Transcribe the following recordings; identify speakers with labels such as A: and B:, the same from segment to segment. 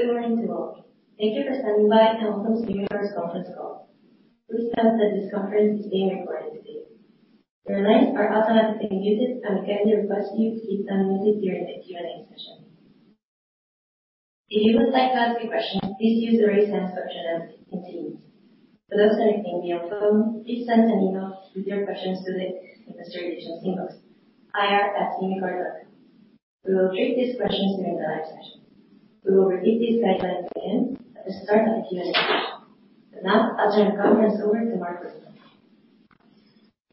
A: Good morning to all. Thank you for standing by and welcome to Umicore's conference call. Please note that this conference is being recorded today. Your lines are automatically muted and we kindly request you to keep them muted during the Q&A session. If you would like to ask a question, please use the raise hand option as it continues. For those connecting via phone, please send an email with your questions to the investor relations inbox, ir@umicore.com. We will treat these questions during the live session. We will repeat these guidelines again at the start of the Q&A session. For now, I'll turn the conference over to Marc.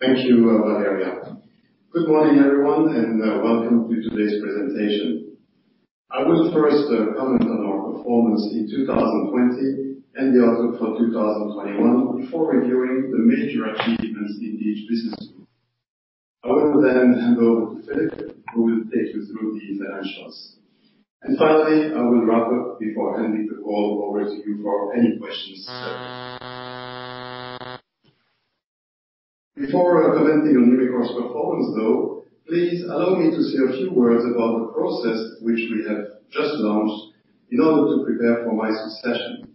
B: Thank you, Valeria. Good morning, everyone, and welcome to today's presentation. I will first comment on our performance in 2020 and the outlook for 2021 before reviewing the major achievements in each business unit. I will then hand over to Filip, who will take you through the financials. Finally, I will wrap up before handing the call over to you for any questions. Before commenting on Umicore's performance, though, please allow me to say a few words about the process which we have just launched in order to prepare for my succession.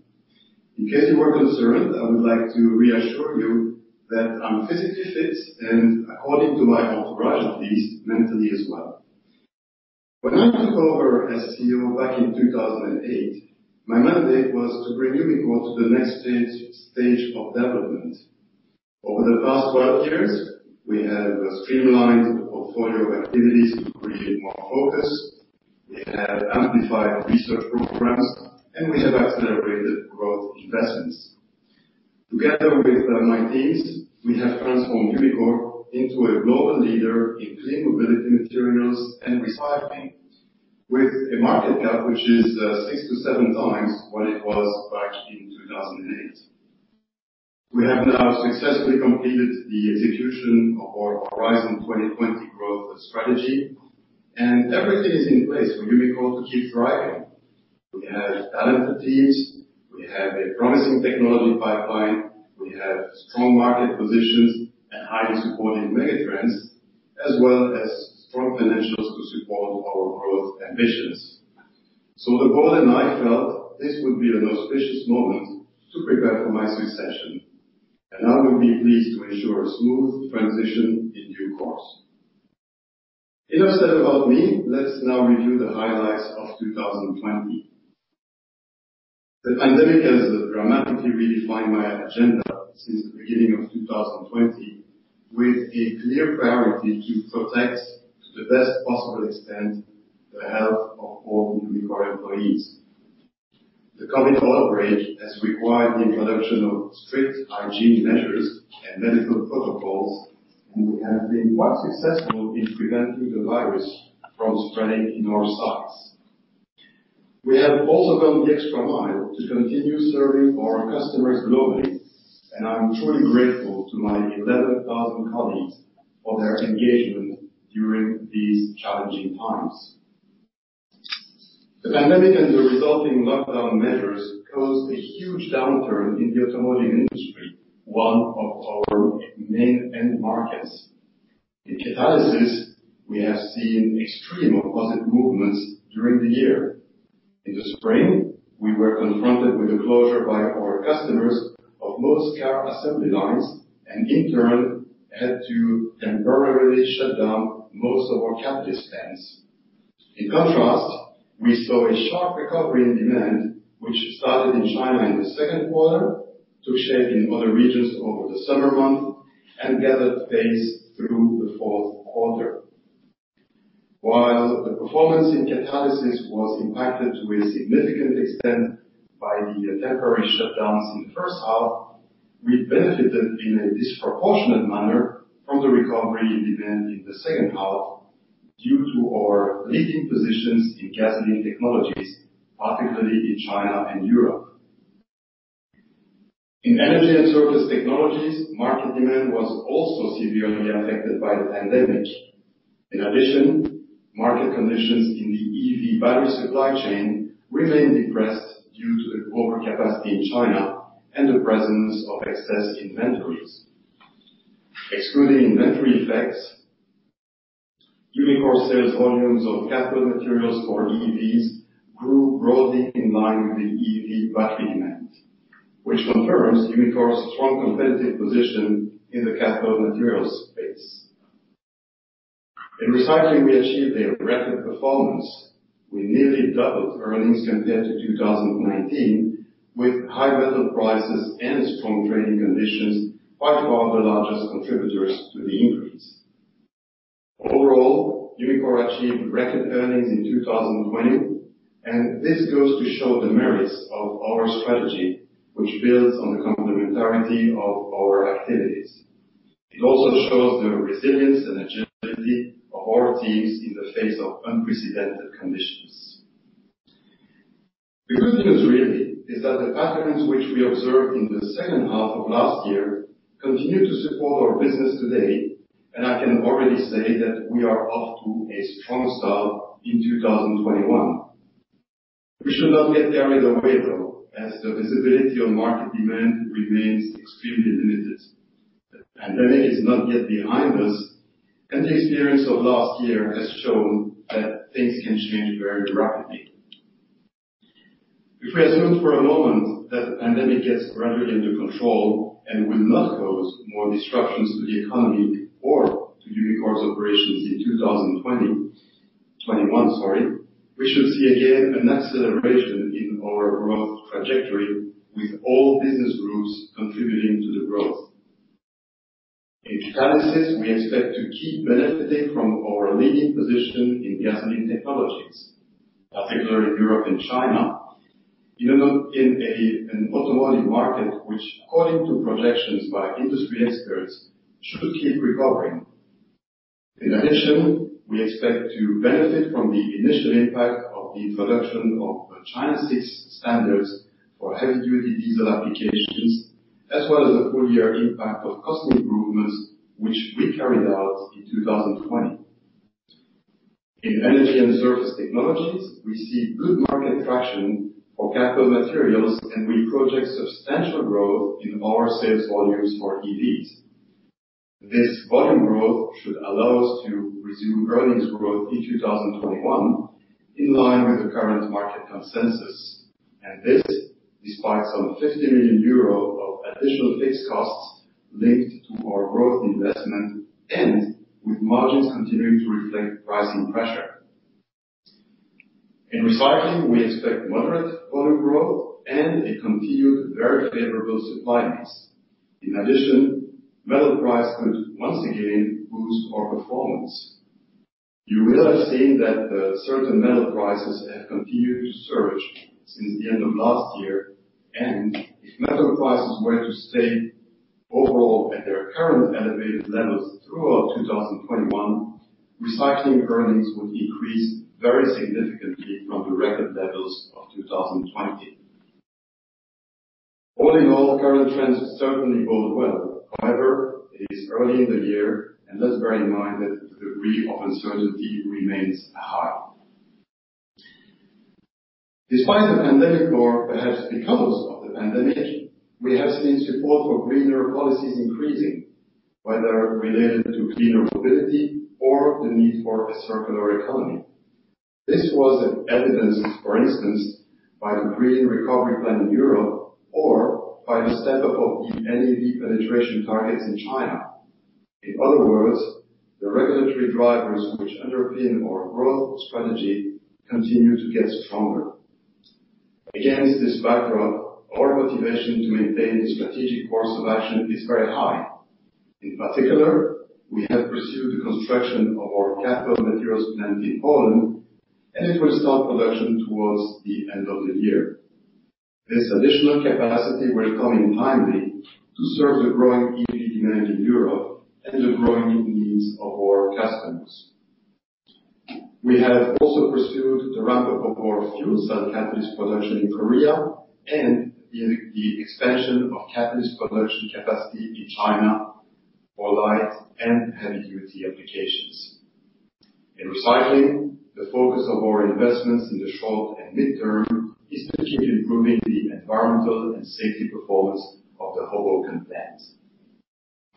B: In case you were concerned, I would like to reassure you that I'm physically fit and according to my entourage, at least, mentally as well. When I took over as CEO back in 2008, my mandate was to bring Umicore to the next stage of development. Over the past 12 years, we have streamlined the portfolio of activities to create more focus. We have amplified research programs, and we have accelerated growth investments. Together with my teams, we have transformed Umicore into a global leader in clean mobility materials and recycling, with a market cap which is 6x-7x what it was back in 2008. We have now successfully completed the execution of our Horizon 2020 growth strategy, and everything is in place for Umicore to keep thriving. We have talented teams. We have a promising technology pipeline. We have strong market positions and highly supportive mega trends, as well as strong financials to support our growth ambitions. The board and I felt this would be an auspicious moment to prepare for my succession, and I will be pleased to ensure a smooth transition in due course. Enough said about me. Let's now review the highlights of 2020. The pandemic has dramatically redefined my agenda since the beginning of 2020 with a clear priority to protect, to the best possible extent, the health of all Umicore employees. The COVID outbreak has required the introduction of strict hygiene measures and medical protocols, and we have been quite successful in preventing the virus from spreading in our sites. We have also gone the extra mile to continue serving our customers globally, and I'm truly grateful to my 11,000 colleagues for their engagement during these challenging times. The pandemic and the resulting lockdown measures caused a huge downturn in the automotive industry, one of our main end markets. In Catalysis, we have seen extreme opposite movements during the year. In the spring, we were confronted with the closure by our customers of most car assembly lines and in turn had to temporarily shut down most of our catalyst plants. In contrast, we saw a sharp recovery in demand, which started in China in the second quarter, took shape in other regions over the summer months, and gathered pace through the fourth quarter. While the performance in Catalysis was impacted to a significant extent by the temporary shutdowns in the first half, we benefited in a disproportionate manner from the recovery in demand in the second half due to our leading positions in gasoline technologies, particularly in China and Europe. In Energy & Surface Technologies, market demand was also severely affected by the pandemic. In addition, market conditions in the EV battery supply chain remain depressed due to the overcapacity in China and the presence of excess inventories. Excluding inventory effects, Umicore sales volumes of cathode materials for EVs grew broadly in line with the EV battery demand. Which confirms Umicore's strong competitive position in the cathode materials space. In recycling, we achieved a record performance. We nearly doubled earnings compared to 2019 with high metal prices and strong trading conditions by far the largest contributors to the increase. Overall, Umicore achieved record earnings in 2020, and this goes to show the merits of our strategy, which builds on the complementarity of our activities. It also shows the resilience and agility of our teams in the face of unprecedented conditions. The good news really is that the patterns which we observed in the second half of last year continue to support our business today, and I can already say that we are off to a strong start in 2021. We should not get carried away, though, as the visibility on market demand remains extremely limited. The pandemic is not yet behind us. The experience of last year has shown that things can change very rapidly. If we assume for a moment that the pandemic gets gradually under control and will not cause more disruptions to the economy or to Umicore's operations in 2020, 2021, sorry, we should see again an acceleration in our growth trajectory with all business groups contributing to the growth. In Catalysis, we expect to keep benefiting from our leading position in gasoline technologies, particularly in Europe and China, in an automotive market which according to projections by industry experts, should keep recovering. In addition, we expect to benefit from the initial impact of the introduction of the China VI standards for heavy-duty diesel applications, as well as the full-year impact of cost improvements, which we carried out in 2020. In Energy & Surface Technologies, we see good market traction for cathode materials. We project substantial growth in our sales volumes for EVs. This volume growth should allow us to resume earnings growth in 2021 in line with the current market consensus. This despite some 50 million euro of additional fixed costs linked to our growth investment and with margins continuing to reflect pricing pressure. In Recycling, we expect moderate volume growth and a continued very favorable supply mix. In addition, metal price could once again boost our performance. You will have seen that certain metal prices have continued to surge since the end of last year, and if metal prices were to stay overall at their current elevated levels throughout 2021, Recycling earnings would increase very significantly from the record levels of 2020. All in all, current trends certainly bode well. However, it is early in the year, and let's bear in mind that degree of uncertainty remains high. Despite the pandemic, or perhaps because of the pandemic, we have seen support for greener policies increasing, whether related to cleaner mobility or the need for a circular economy. This was evidenced, for instance, by the Green Recovery Plan in Europe or by the step-up of the NEV penetration targets in China. In other words, the regulatory drivers which underpin our growth strategy continue to get stronger. Against this backdrop, our motivation to maintain strategic course of action is very high. In particular, we have pursued the construction of our cathode materials plant in Poland, and it will start production towards the end of the year. This additional capacity will come in timely to serve the growing EV demand in Europe and the growing needs of our customers. We have also pursued the ramp-up of our fuel cell catalyst production in Korea and the expansion of catalyst production capacity in China for light and heavy-duty applications. In Recycling, the focus of our investments in the short and mid-term is to keep improving the environmental and safety performance of the Hoboken plants.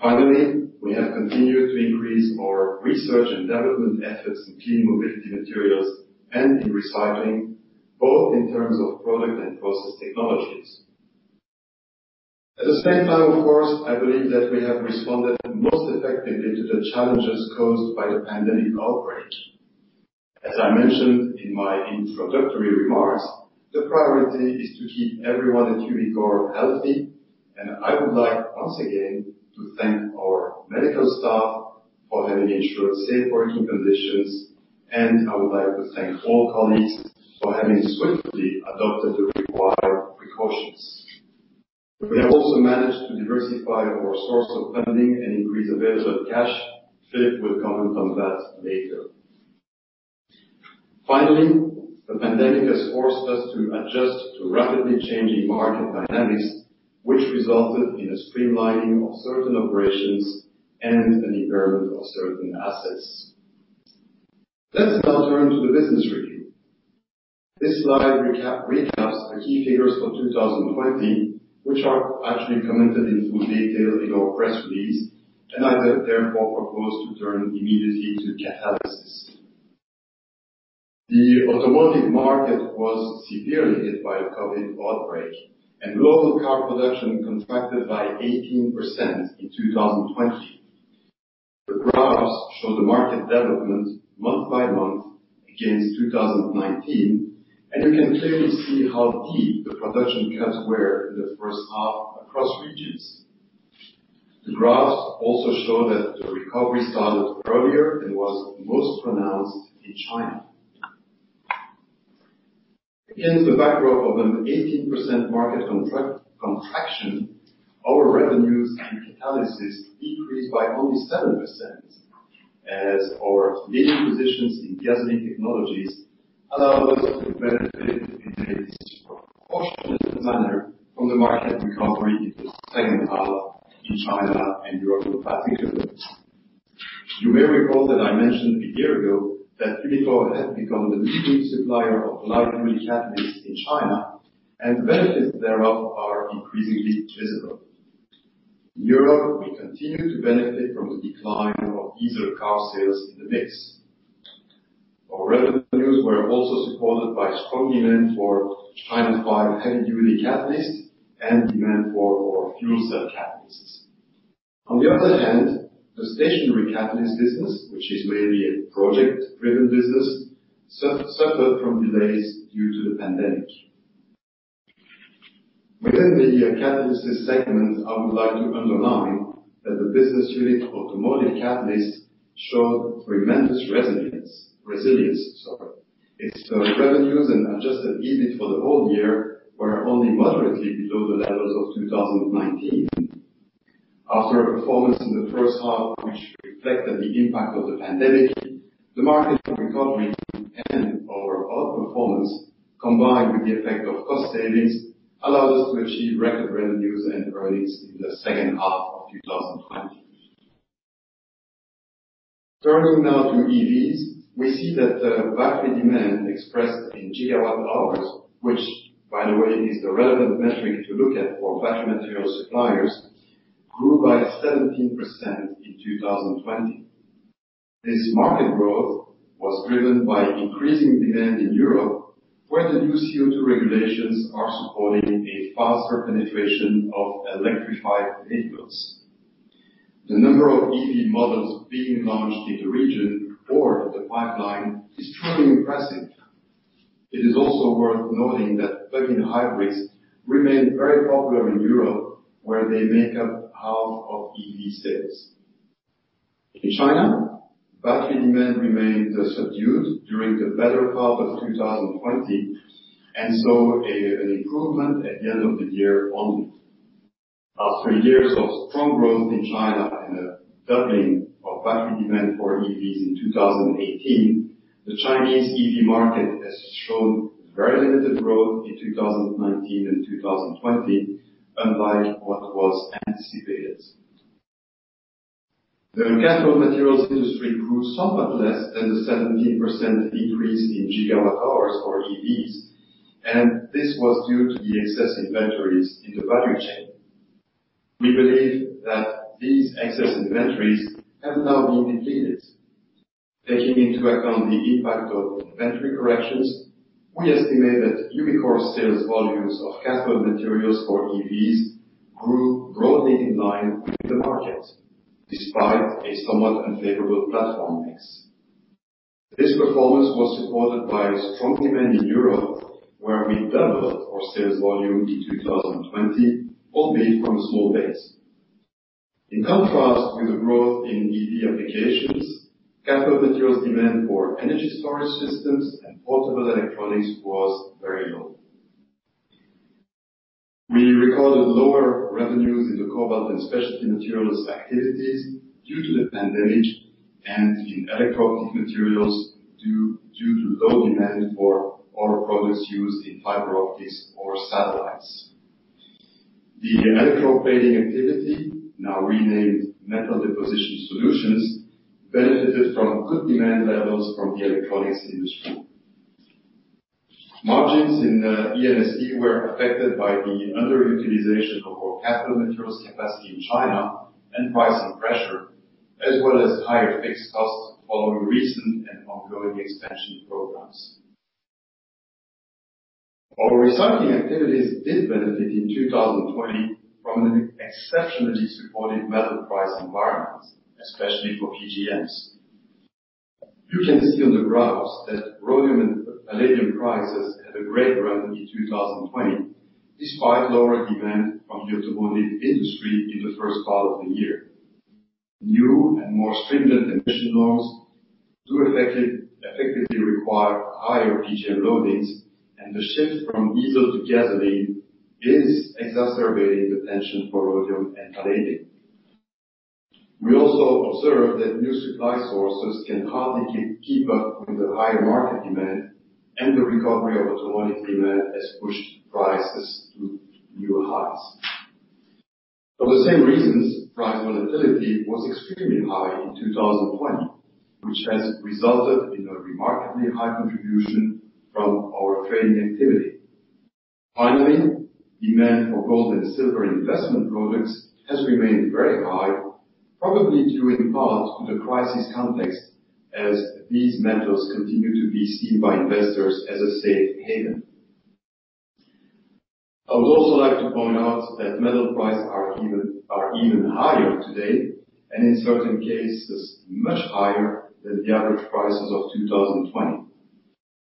B: Finally, we have continued to increase our research and development efforts in clean mobility materials and in recycling, both in terms of product and process technologies. At the same time, of course, I believe that we have responded most effectively to the challenges caused by the pandemic outbreak. As I mentioned in my introductory remarks, the priority is to keep everyone at Umicore healthy, and I would like once again to thank our medical staff for having ensured safe working conditions, and I would like to thank all colleagues for having swiftly adopted the required precautions. Filip will comment on that later. Finally, the pandemic has forced us to adjust to rapidly changing market dynamics, which resulted in a streamlining of certain operations and an impairment of certain assets. Let us now turn to the business review. This slide recaps the key figures for 2020, which are actually commented into detail in our press release, I therefore propose to turn immediately to Catalysis. The automotive market was severely hit by the COVID outbreak, global car production contracted by 18% in 2020. The graphs show the market development month by month against 2019, you can clearly see how deep the production cuts were in the first half across regions. The graphs also show that the recovery started earlier and was most pronounced in China. Against the backdrop of an 18% market contraction, our revenues in Catalysis decreased by only 7%, as our leading positions in gasoline technologies allowed us to benefit in a disproportionate manner from the market recovery in the second half in China and Europe in particular. You may recall that I mentioned a year ago that Umicore had become the leading supplier of light duty catalysts in China. The benefits thereof are increasingly visible. In Europe, we continue to benefit from the decline of diesel car sales in the mix. Our revenues were also supported by strong demand for China V heavy-duty catalysts and demand for our fuel cell catalysts. On the other hand, the stationary catalyst business, which is mainly a project-driven business, suffered from delays due to the pandemic. Within the Catalysis segment, I would like to underline that the business unit Automotive Catalysts showed tremendous resilience. Its revenues and adjusted EBIT for the whole year were only moderately below the levels of 2019. After a performance in the first half, which reflected the impact of the pandemic, the market recovery and our outperformance, combined with the effect of cost savings, allowed us to achieve record revenues and earnings in the second half of 2020. Turning now to EVs, we see that battery demand expressed in gigawatt hours, which by the way, is the relevant metric to look at for battery material suppliers, grew by 17% in 2020. This market growth was driven by increasing demand in Europe, where the new CO2 regulations are supporting a faster penetration of electrified vehicles. The number of EV models being launched in the region or in the pipeline is truly impressive. It is also worth noting that plug-in hybrids remain very popular in Europe, where they make up half of EV sales. In China, battery demand remained subdued during the better part of 2020, and saw an improvement at the end of the year only. After years of strong growth in China and a doubling of battery demand for EVs in 2018, the Chinese EV market has shown very limited growth in 2019 and 2020, unlike what was anticipated. The cathode materials industry grew somewhat less than the 17% increase in gigawatt hours for EVs, and this was due to the excess inventories in the value chain. We believe that these excess inventories have now been depleted. Taking into account the impact of inventory corrections, we estimate that Umicore sales volumes of cathode materials for EVs grew broadly in line with the market, despite a somewhat unfavorable platform mix. This performance was supported by strong demand in Europe, where we doubled our sales volume in 2020, albeit from a small base. In contrast with the growth in EV applications, cathode materials demand for energy storage systems and portable electronics was very low. We recorded lower revenues in the Cobalt & Specialty Materials activities due to the pandemic and in Electro-Optic Materials due to low demand for our products used in fiber optics or satellites. The Electroplating activity, now renamed Metal Deposition Solutions, benefited from good demand levels from the electronics industry. Margins in E&ST were affected by the underutilization of our cathode materials capacity in China and pricing pressure, as well as higher fixed costs following recent and ongoing expansion programs. Our Recycling activities did benefit in 2020 from an exceptionally supportive metal price environment, especially for PGMs. You can see on the graphs that rhodium and palladium prices had a great run in 2020, despite lower demand from the automotive industry in the first half of the year. New and more stringent emission norms do effectively require higher PGM loadings, and the shift from diesel to gasoline is exacerbating the tension for rhodium and palladium. We also observed that new supply sources can hardly keep up with the higher market demand, and the recovery of automotive demand has pushed prices to new highs. For the same reasons, price volatility was extremely high in 2020, which has resulted in a remarkably high contribution from our trading activity. Finally, demand for gold and silver investment products has remained very high, probably due in part to the crisis context, as these metals continue to be seen by investors as a safe haven. I would also like to point out that metal prices are even higher today, and in certain cases, much higher than the average prices of 2020.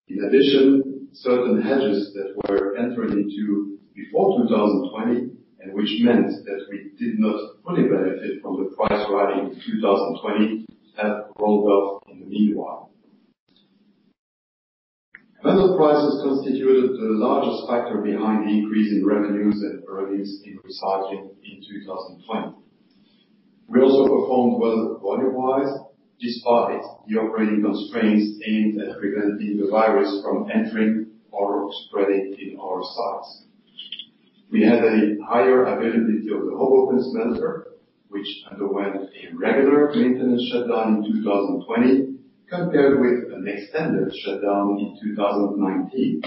B: In addition, certain hedges that were entered into before 2020 and which meant that we did not fully benefit from the price rally in 2020 have rolled off in the meanwhile. Metal prices constituted the largest factor behind the increase in revenues and earnings in Recycling in 2020. We also performed well volume-wise despite the operating constraints aimed at preventing the virus from entering or spreading in our sites. We had a higher availability of the Hoboken smelter, which underwent a regular maintenance shutdown in 2020 compared with an extended shutdown in 2019.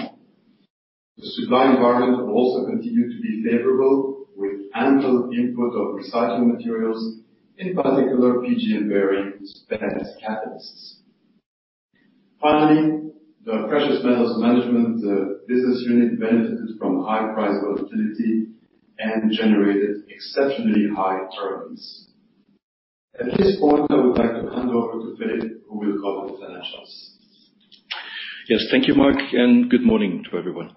B: The supply environment will also continue to be favorable, with ample input of recycling materials, in particular PGM-bearing spent catalysts. Finally, the Precious Metals Management business unit benefited from high price volatility and generated exceptionally high earnings. At this point, I would like to hand over to Filip, who will cover the financials.
C: Yes. Thank you, Marc. Good morning to everyone.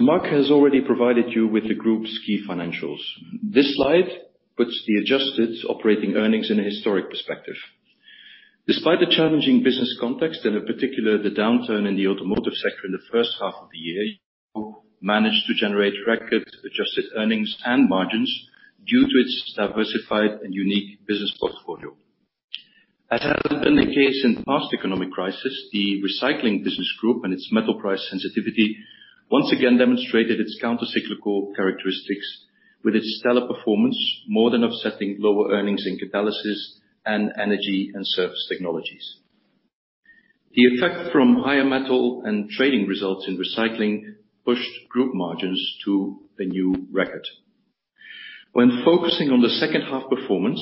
C: Marc has already provided you with the group's key financials. This slide puts the adjusted operating earnings in a historic perspective. Despite the challenging business context, and in particular, the downturn in the automotive sector in the first half of the year, managed to generate record adjusted earnings and margins due to its diversified and unique business portfolio. As has been the case in past economic crisis, the Recycling business group and its metal price sensitivity once again demonstrated its counter-cyclical characteristics with its stellar performance, more than offsetting lower earnings in Catalysis and Energy & Surface Technologies. The effect from higher metal and trading results in Recycling pushed group margins to a new record. When focusing on the second half performance,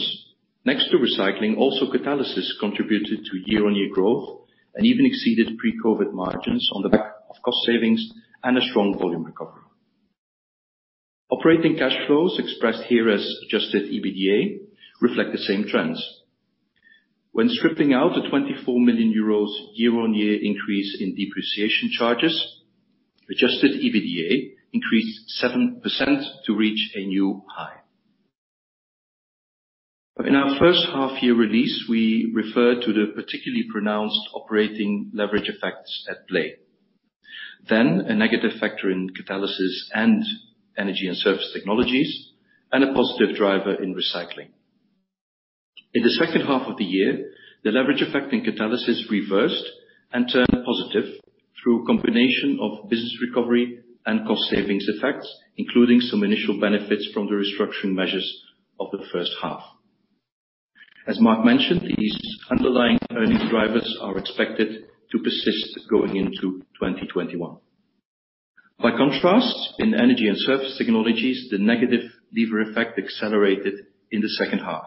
C: next to Recycling, also Catalysis contributed to year-on-year growth and even exceeded pre-COVID margins on the back of cost savings and a strong volume recovery. Operating cash flows, expressed here as adjusted EBITDA, reflect the same trends. When stripping out the 24 million euros year-on-year increase in depreciation charges, adjusted EBITDA increased 7% to reach a new high. In our first half-year release, we referred to the particularly pronounced operating leverage effects at play. A negative factor in Catalysis and Energy & Surface Technologies, and a positive driver in Recycling. In the second half of the year, the leverage effect in Catalysis reversed and turned positive through a combination of business recovery and cost savings effects, including some initial benefits from the restructuring measures of the first half. As Marc mentioned, these underlying earnings drivers are expected to persist going into 2021. By contrast, in Energy & Surface Technologies, the negative lever effect accelerated in the second half.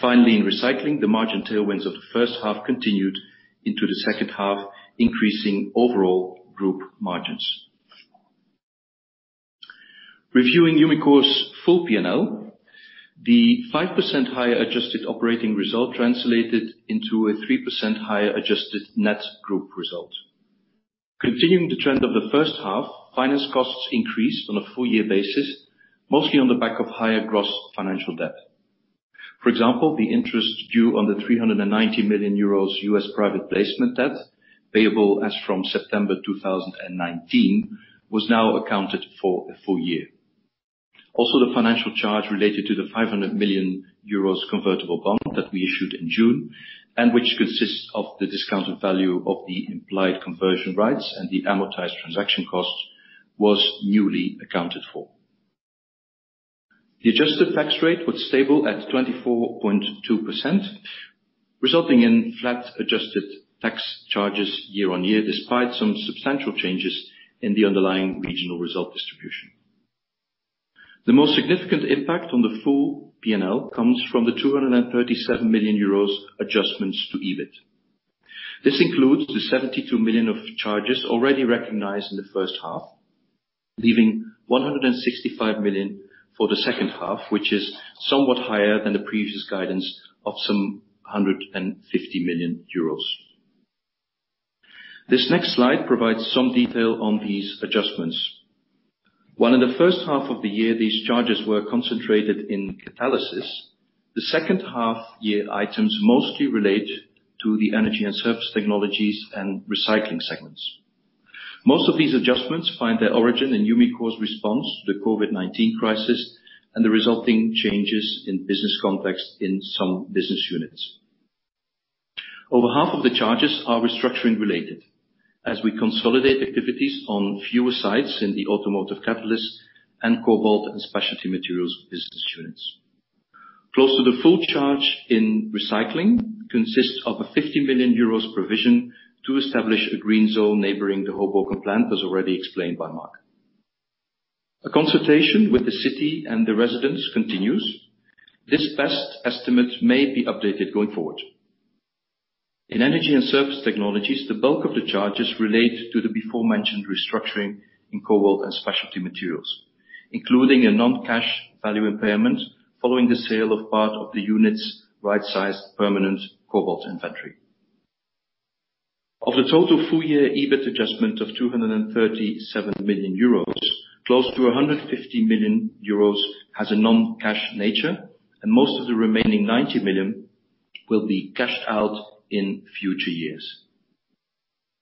C: Finally, in Recycling, the margin tailwinds of the first half continued into the second half, increasing overall group margins. Reviewing Umicore's full P&L, the 5% higher adjusted operating result translated into a 3% higher adjusted net group result. Continuing the trend of the first half, finance costs increased on a full-year basis, mostly on the back of higher gross financial debt. For example, the interest due on the 390 million euros U.S. private placement debt, payable as from September 2019, was now accounted for a full-year. Also, the financial charge related to the 500 million euros convertible bond that we issued in June, and which consists of the discounted value of the implied conversion rights and the amortized transaction cost, was newly accounted for. The adjusted tax rate was stable at 24.2%, resulting in flat adjusted tax charges year-over-year, despite some substantial changes in the underlying regional result distribution. The most significant impact on the full P&L comes from the 237 million euros adjustments to EBIT. This includes the 72 million of charges already recognized in the first half, leaving 165 million for the second half, which is somewhat higher than the previous guidance of some 150 million euros. This next slide provides some detail on these adjustments. While in the first half of the year these charges were concentrated in Catalysis, the second half year items mostly relate to the Energy & Surface Technologies and Recycling segments. Most of these adjustments find their origin in Umicore's response to the COVID-19 crisis and the resulting changes in business context in some business units. Over half of the charges are restructuring related as we consolidate activities on fewer sites in the Automotive Catalysts and Cobalt & Specialty Materials business units. Close to the full charge in Recycling consists of a 50 million euros provision to establish a green zone neighboring the Hoboken plant, as already explained by Marc. A consultation with the city and the residents continues. This best estimate may be updated going forward. In Energy & Surface Technologies, the bulk of the charges relate to the beforementioned restructuring in Cobalt & Specialty Materials, including a non-cash value impairment following the sale of part of the unit's right-sized permanent cobalt inventory. Of the total full-year EBIT adjustment of 237 million euros, close to 150 million euros has a non-cash nature, and most of the remaining 90 million will be cashed out in future years.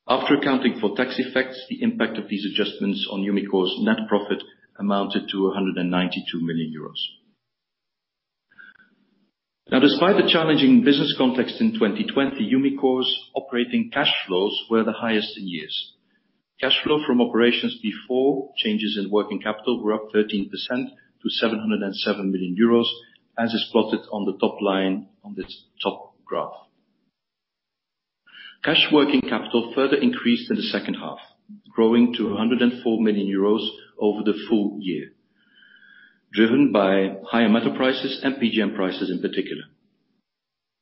C: After accounting for tax effects, the impact of these adjustments on Umicore's net profit amounted to 192 million euros. Despite the challenging business context in 2020, Umicore's operating cash flows were the highest in years. Cash flow from operations before changes in working capital were up 13% to 707 million euros, as is plotted on the top line on this top graph. Cash working capital further increased in the second half, growing to 104 million euros over the full-year, driven by higher metal prices and PGM prices in particular.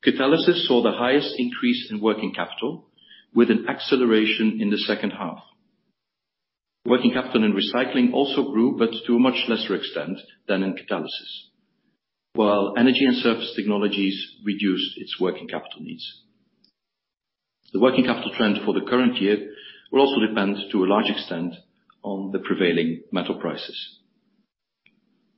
C: Catalysis saw the highest increase in working capital, with an acceleration in the second half. Working capital and Recycling also grew, but to a much lesser extent than in Catalysis. While Energy & Surface Technologies reduced its working capital needs. The working capital trend for the current year will also depend to a large extent on the prevailing metal prices.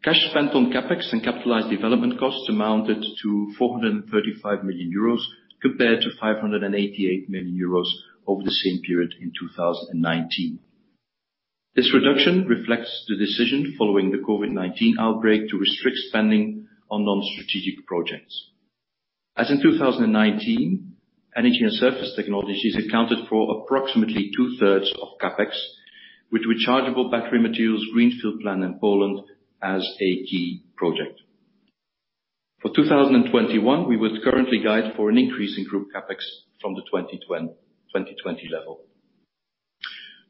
C: Cash spent on CapEx and capitalized development costs amounted to 435 million euros compared to 588 million euros over the same period in 2019. This reduction reflects the decision following the COVID-19 outbreak to restrict spending on non-strategic projects. As in 2019, Energy & Surface Technologies accounted for approximately 2/3 of CapEx, with Rechargeable Battery Materials greenfield plant in Poland as a key project. For 2021, we would currently guide for an increase in group CapEx from the 2020 level.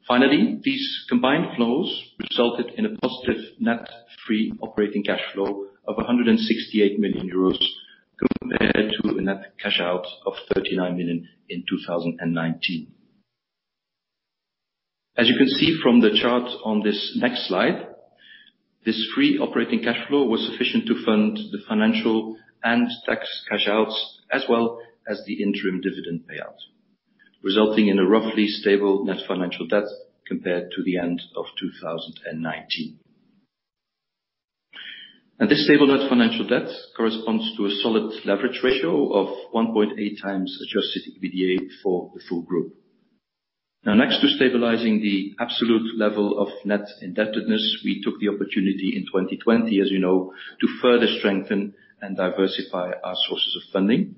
C: Finally, these combined flows resulted in a positive net free operating cash flow of 168 million euros compared to a net cash out of 39 million in 2019. As you can see from the chart on this next slide, this free operating cash flow was sufficient to fund the financial and tax cash outs, as well as the interim dividend payout, resulting in a roughly stable net financial debt compared to the end of 2019. This stable net financial debt corresponds to a solid leverage ratio of 1.8x adjusted EBITDA for the full group. Next to stabilizing the absolute level of net indebtedness, we took the opportunity in 2020, as you know, to further strengthen and diversify our sources of funding,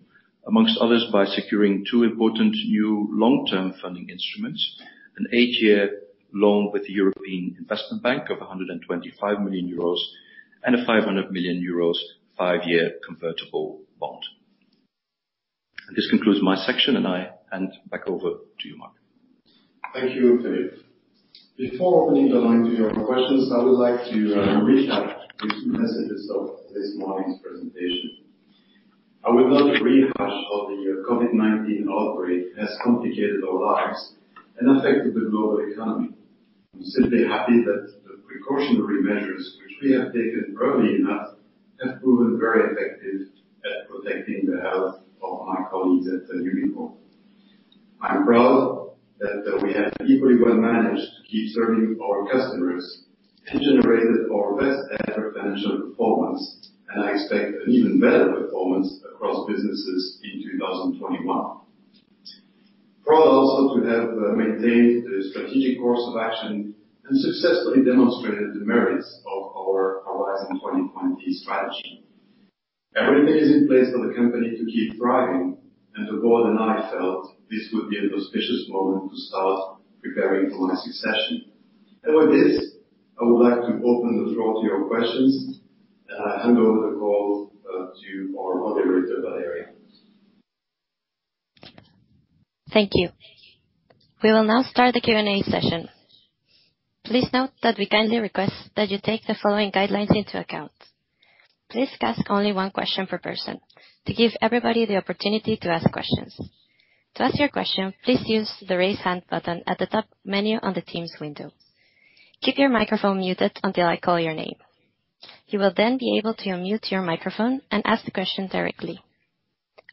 C: amongst others, by securing two important new long-term funding instruments, an eight-year loan with the European Investment Bank of 125 million euros and a 500 million euros five-year convertible bond. This concludes my section, and back over to you, Marc.
B: Thank you, Filip. Before opening the line to your questions, I would like to reach out with two messages of this morning's presentation. I will not rehash how the COVID-19 outbreak has complicated our lives and affected the global economy. I'm simply happy that the precautionary measures which we have taken early enough have proven very effective at protecting the health of our colleagues at Umicore. I'm proud that we have equally well managed to keep serving our customers and generated our best ever financial performance. I expect an even better performance across businesses in 2021. Proud also to have maintained the strategic course of action and successfully demonstrated the merits of our Horizon 2020 strategy. Everything is in place for the company to keep thriving. The board and I felt this would be an auspicious moment to start preparing for my succession. With this, I would like to open the floor to your questions and hand over the call to our moderator, Valeria.
A: Thank you. We will now start the Q&A session. Please note that we kindly request that you take the following guidelines into account. Please ask only one question per person to give everybody the opportunity to ask questions. To ask your question, please use the raise hand button at the top menu on the Teams window. Keep your microphone muted until I call your name. You will then be able to unmute your microphone and ask the question directly.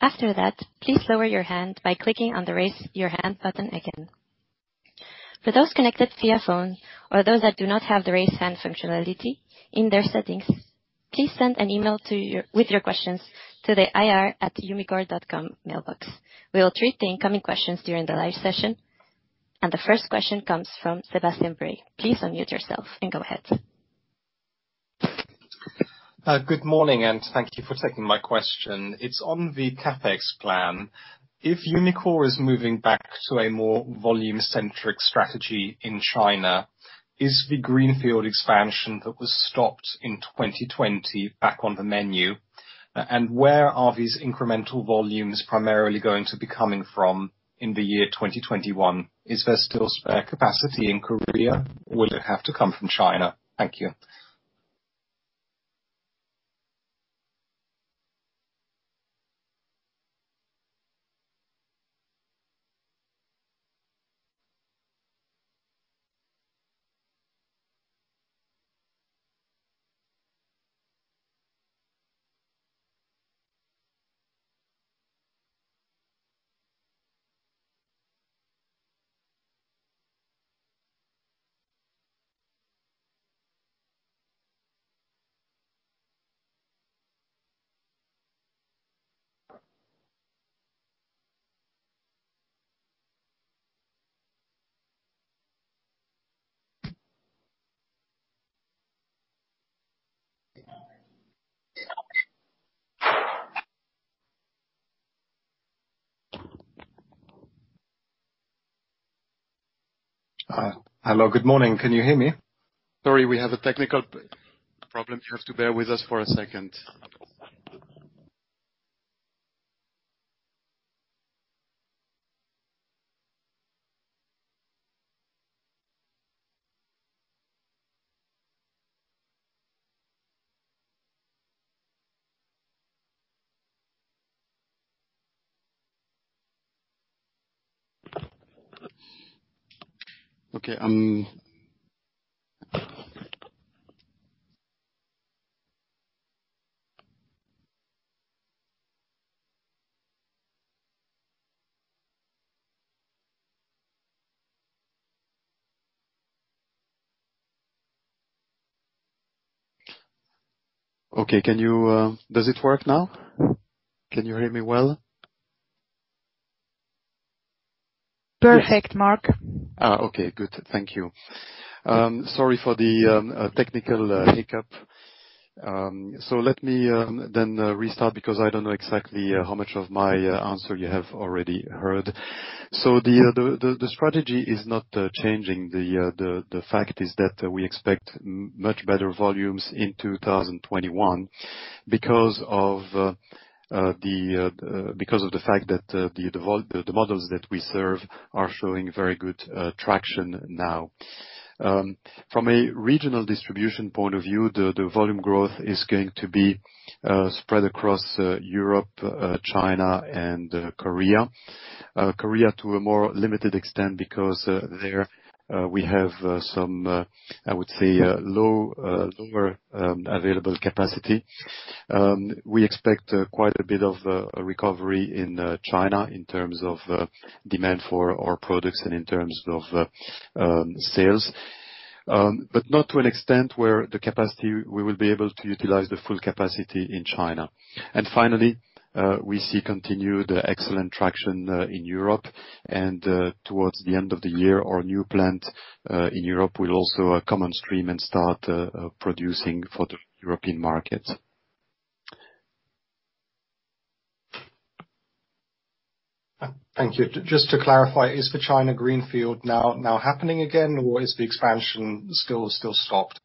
A: After that, please lower your hand by clicking on the raise your hand button again. For those connected via phone or those that do not have the raise hand functionality in their settings, please send an email with your questions to the ir@umicore.com mailbox. We will treat the incoming questions during the live session. The first question comes from Sebastian Bray. Please unmute yourself and go ahead.
D: Good morning, and thank you for taking my question. It's on the CapEx plan. If Umicore is moving back to a more volume-centric strategy in China, is the greenfield expansion that was stopped in 2020 back on the menu? Where are these incremental volumes primarily going to be coming from in the year 2021? Is there still spare capacity in Korea? Will it have to come from China? Thank you.
B: Hello. Good morning. Can you hear me? Sorry, we have a technical problem. You have to bear with us for a second. Okay. Does it work now? Can you hear me well?
E: Perfect, Marc.
B: Okay, good. Thank you. Sorry for the technical hiccup. Let me then restart because I don't know exactly how much of my answer you have already heard. The strategy is not changing. The fact is that we expect much better volumes in 2021 because of the fact that the models that we serve are showing very good traction now. From a regional distribution point of view, the volume growth is going to be spread across Europe, China, and Korea. Korea to a more limited extent because there we have some, I would say, lower available capacity. We expect quite a bit of a recovery in China in terms of demand for our products and in terms of sales. Not to an extent where we will be able to utilize the full capacity in China. Finally, we see continued excellent traction in Europe, and towards the end of the year, our new plant in Europe will also come on stream and start producing for the European market.
D: Thank you. Just to clarify, is the China greenfield now happening again, or is the expansion still stopped?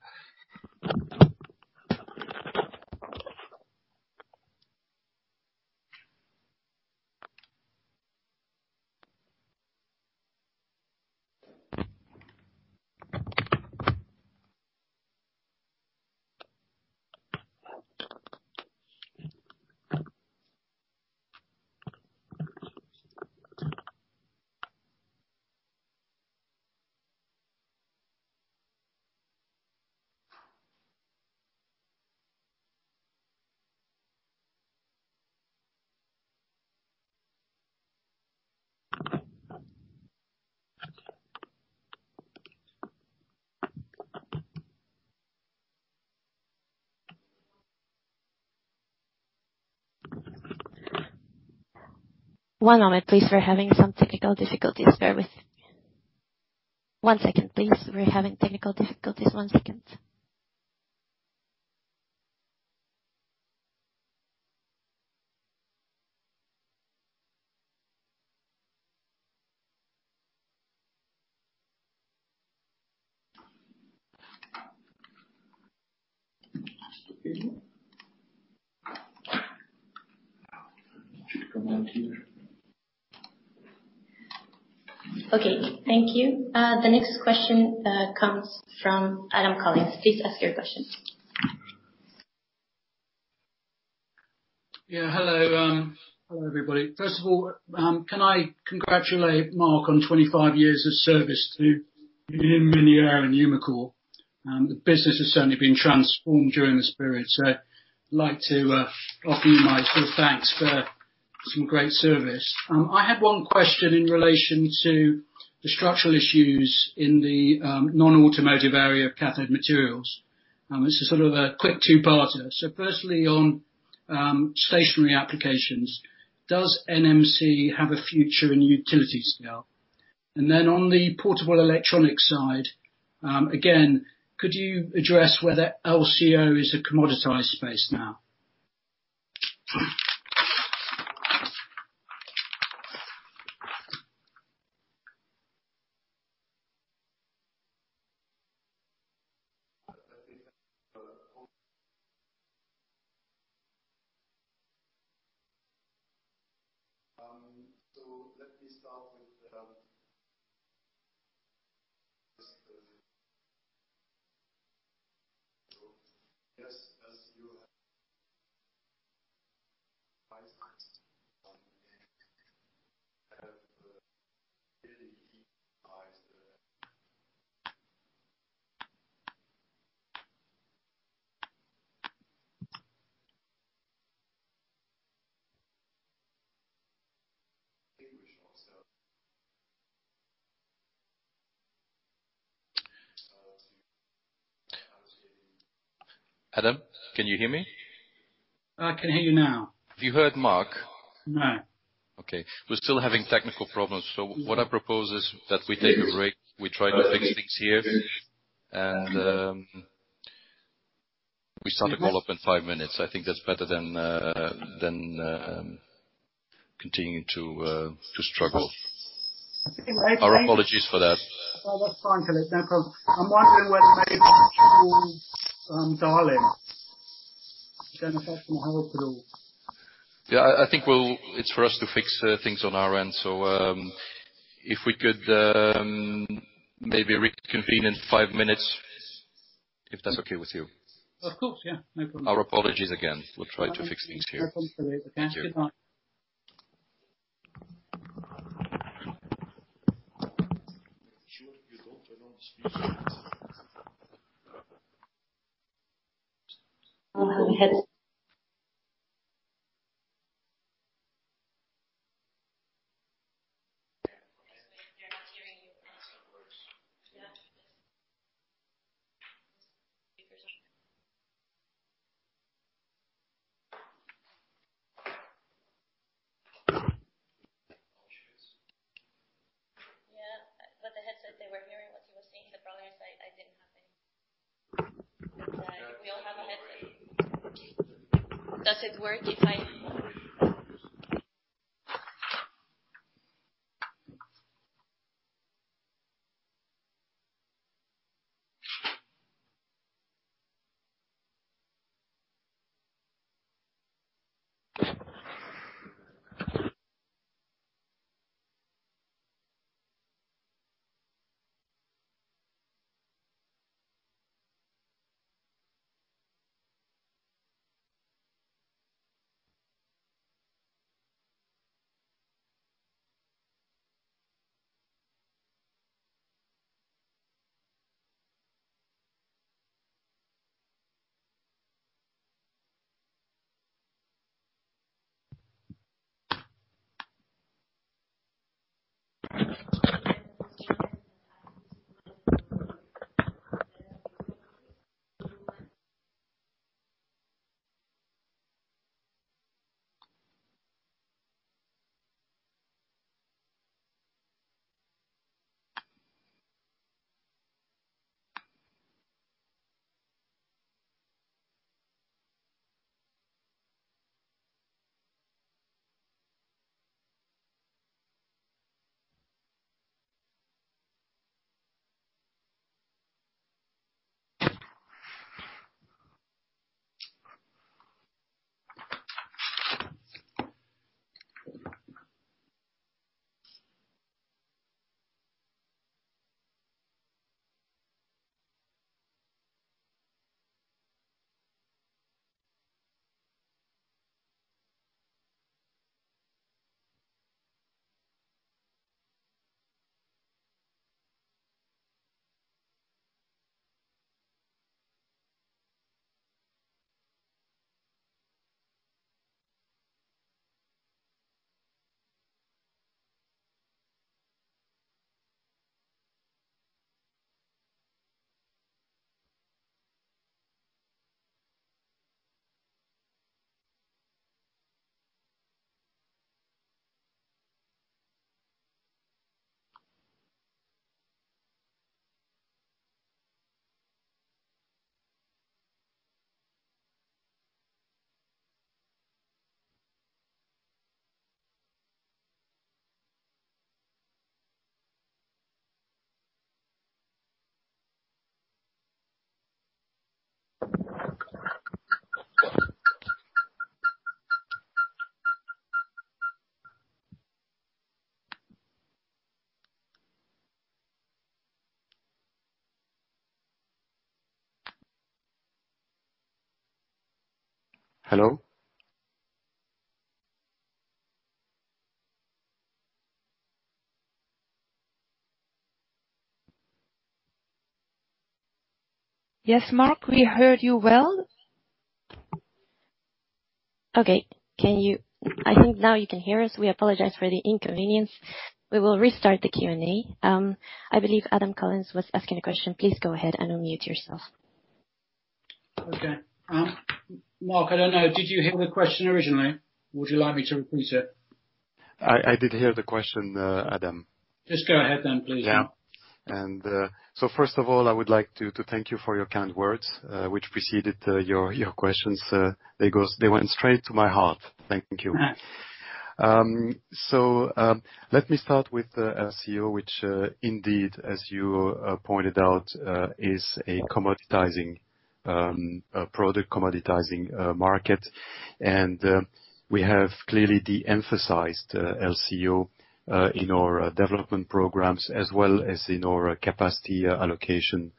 E: One moment, please. We're having some technical difficulties. Bear with me. One second, please. We're having technical difficulties. One second.
B: Okay. Should come back to you.
A: Okay. Thank you. The next question comes from Adam Collins. Please ask your question.
F: Yeah. Hello. Hello, everybody. First of all, can I congratulate Marc on 25 years of service to Umicore. The business has certainly been transformed during this period, so I'd like to offer you my thanks for some great service. I had one question in relation to the structural issues in the non-automotive area of cathode materials. This is sort of a quick two-parter. Firstly, on stationary applications, does NMC have a future in utility scale? On the portable electronic side, again, could you address whether LCO is a commoditized space now?
B: Let me start with the first. Yes, as you have really
C: Adam, can you hear me?
F: I can hear you now.
C: Have you heard Marc?
F: No.
C: Okay. We're still having technical problems. What I propose is that we take a break. We try to fix things here. We start the call up in five minutes. I think that's better than continuing to struggle.
F: I think I-
C: Our apologies for that.
F: No, that's fine, Filip. No problem. I'm wondering whether maybe we should move on dialing. It has to help you.
C: Yeah. I think it's for us to fix things on our end. If we could maybe reconvene in five minutes, if that's okay with you.
F: Of course, yeah. No problem.
C: Our apologies again. We'll try to fix things here.
F: No problem, Filip. Okay. Goodbye.
B: Make sure you don't announce this.
A: Oh, have you had it?
C: They're not hearing you.
E: It still works.
A: Yeah. Speakers.
E: Oh, geez.
A: Yeah. The headset, they were hearing what you were saying. The problem is I didn't have any. We all have a headset. Does it work if I?
B: Hello?
E: Yes, Marc, we heard you well.
A: Okay. I think now you can hear us. We apologize for the inconvenience. We will restart the Q&A. I believe Adam Collins was asking a question. Please go ahead, and unmute yourself.
F: Okay. Marc, I don't know. Did you hear the question originally? Would you like me to repeat it?
B: I did hear the question, Adam.
F: Just go ahead then, please.
B: Yeah. First of all, I would like to thank you for your kind words, which preceded your questions. They went straight to my heart. Thank you.
F: Right.
B: Let me start with LCO, which indeed as you pointed out, is a commoditizing product, commoditizing market. We have clearly de-emphasized LCO in our development programs as well as in our capacity allocation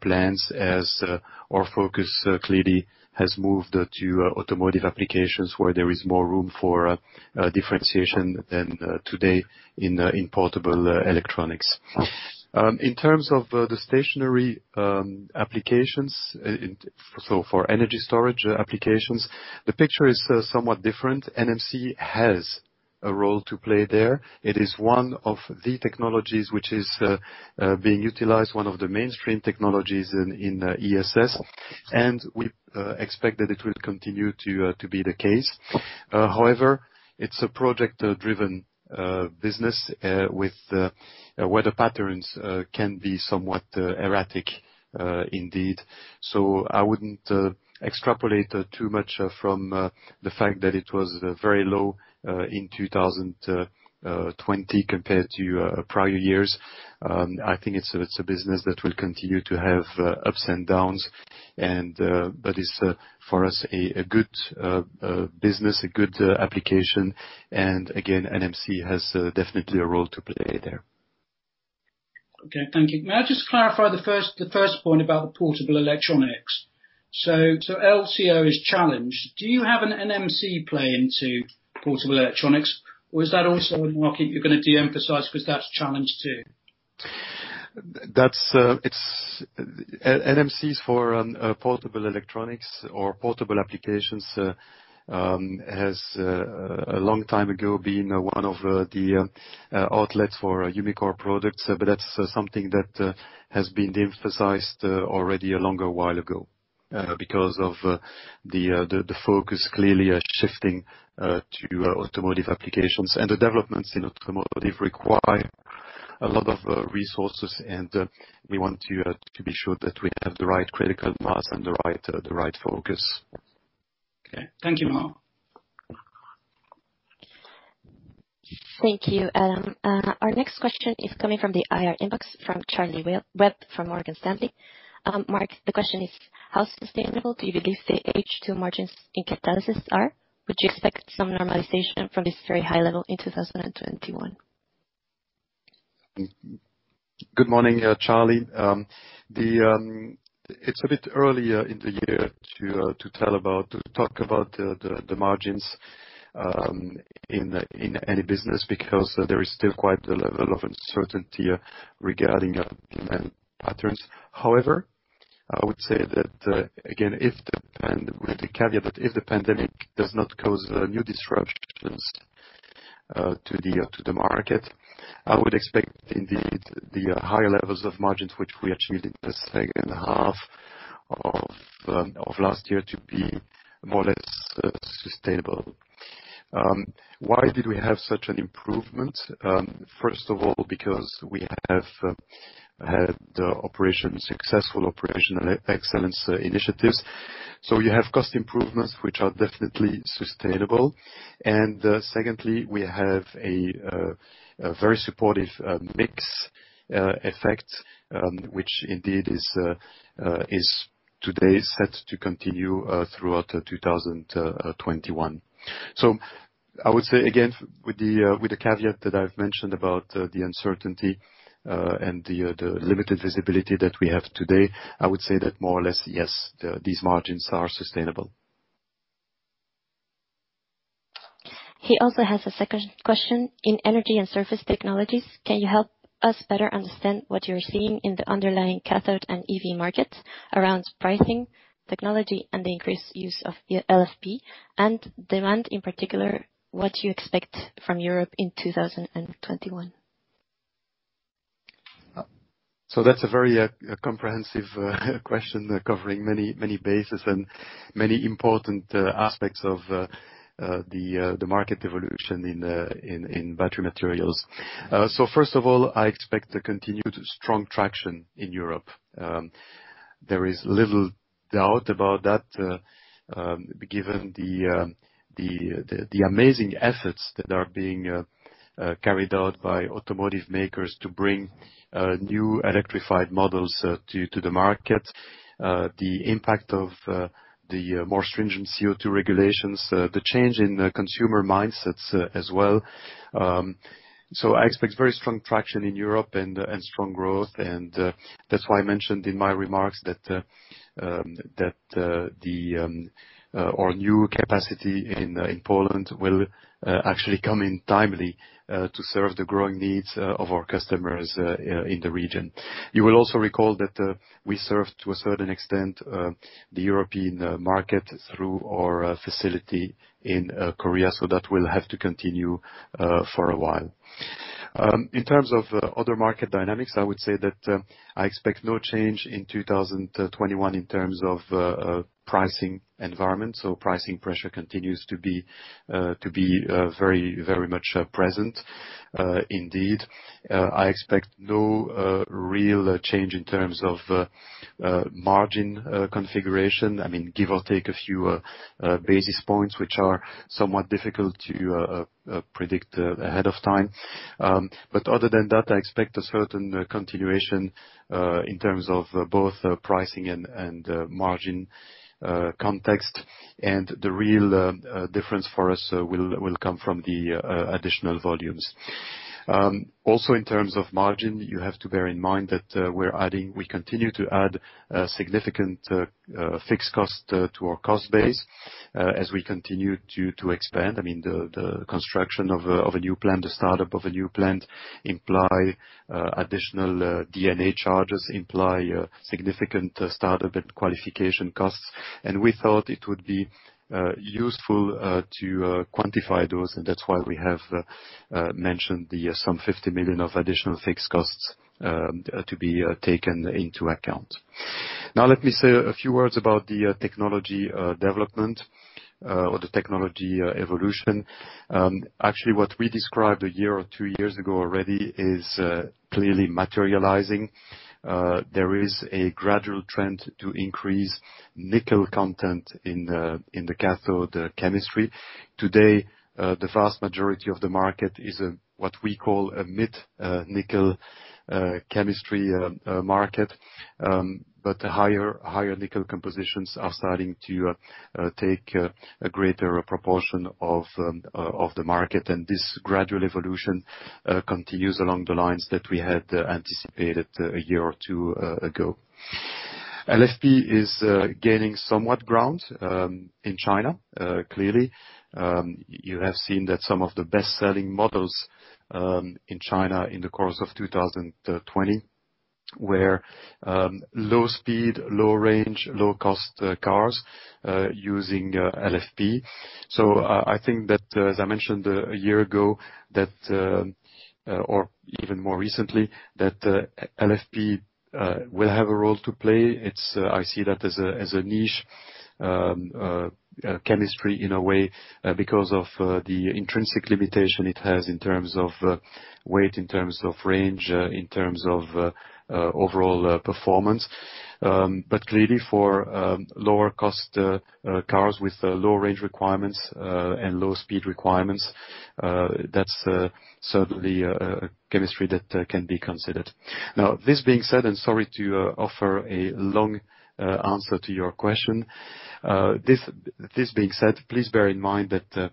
B: plans as our focus clearly has moved to automotive applications where there is more room for differentiation than today in portable electronics. In terms of the stationary applications, for energy storage applications, the picture is somewhat different. NMC has a role to play there. It is one of the technologies which is being utilized, one of the mainstream technologies in ESS, and we expect that it will continue to be the case. However, it's a project-driven business where the patterns can be somewhat erratic indeed. I wouldn't extrapolate too much from the fact that it was very low in 2020 compared to prior years. I think it's a business that will continue to have ups and downs. It's, for us, a good business, a good application. Again, NMC has definitely a role to play there.
F: Okay, thank you. May I just clarify the first point about the portable electronics? LCO is challenged. Do you have an NMC play into portable electronics? Is that also a market you're going to de-emphasize because that's challenged too?
B: NMCs for portable electronics or portable applications, has, a long time ago, been one of the outlets for Umicore products. That's something that has been de-emphasized already a longer while ago, because of the focus clearly shifting to automotive applications. The developments in automotive require a lot of resources, and we want to be sure that we have the right critical mass and the right focus.
F: Okay. Thank you, Marc.
A: Thank you. Our next question is coming from the IR inbox from Charlie Webb from Morgan Stanley. Marc, the question is, how sustainable do you believe the H2 margins in Catalysis are? Would you expect some normalization from this very high level in 2021?
B: Good morning, Charlie. It's a bit early in the year to talk about the margins in any business, because there is still quite the level of uncertainty regarding demand patterns. However, I would say that, again, with the caveat, if the pandemic does not cause new disruptions to the market, I would expect indeed, the higher levels of margins which we achieved in the second half of last year to be more or less sustainable. Why did we have such an improvement? First of all, because we have had successful operational excellence initiatives. You have cost improvements, which are definitely sustainable. Secondly, we have a very supportive mix effect, which indeed is today set to continue throughout 2021. I would say, again, with the caveat that I've mentioned about the uncertainty and the limited visibility that we have today, I would say that more or less, yes, these margins are sustainable.
A: He also has a second question. In Energy & Surface Technologies, can you help us better understand what you're seeing in the underlying cathode and EV markets around pricing, technology, and the increased use of LFP, and demand, in particular, what you expect from Europe in 2021?
B: That's a very comprehensive question, covering many bases and many important aspects of the market evolution in battery materials. First of all, I expect a continued strong traction in Europe. There is little doubt about that, given the amazing efforts that are being carried out by automotive makers to bring new electrified models to the market. The impact of the more stringent CO2 regulations, the change in consumer mindsets as well. I expect very strong traction in Europe and strong growth. That's why I mentioned in my remarks that our new capacity in Poland will actually come in timely to serve the growing needs of our customers in the region. You will also recall that we serve, to a certain extent, the European market through our facility in Korea, so that will have to continue for a while. In terms of other market dynamics, I would say that I expect no change in 2021 in terms of pricing environment. Pricing pressure continues to be very much present. Indeed, I expect no real change in terms of margin configuration. Give or take a few basis points, which are somewhat difficult to predict ahead of time. Other than that, I expect a certain continuation in terms of both pricing and margin context. The real difference for us will come from the additional volumes. In terms of margin, you have to bear in mind that we continue to add significant fixed cost to our cost base as we continue to expand. The construction of a new plant, the startup of a new plant imply additional D&A charges, imply significant startup and qualification costs. We thought it would be useful to quantify those, and that's why we have mentioned the some 50 million of additional fixed costs to be taken into account. Let me say a few words about the technology development or the technology evolution. What we described a year or two years ago already is clearly materializing. There is a gradual trend to increase nickel content in the cathode chemistry. Today, the vast majority of the market is what we call a mid-nickel chemistry market, but higher nickel compositions are starting to take a greater proportion of the market. This gradual evolution continues along the lines that we had anticipated a year or two ago. LFP is gaining somewhat ground in China, clearly. You have seen that some of the best-selling models in China in the course of 2020 were low speed, low range, low cost cars, using LFP. I think that as I mentioned a year ago, or even more recently, that LFP will have a role to play. I see that as a niche chemistry in a way, because of the intrinsic limitation it has in terms of weight, in terms of range, in terms of overall performance. Clearly for lower cost cars with low range requirements, and low speed requirements, that's certainly a chemistry that can be considered. Now, this being said, and sorry to offer a long answer to your question. This being said, please bear in mind that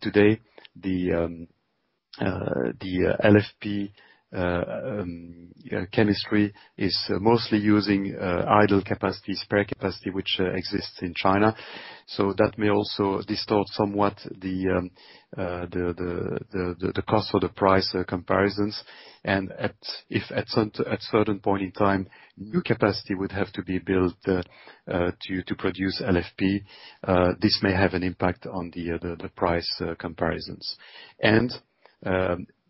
B: today the LFP chemistry is mostly using idle capacity, spare capacity, which exists in China. That may also distort somewhat the cost or the price comparisons and if at certain point in time, new capacity would have to be built to produce LFP, this may have an impact on the price comparisons.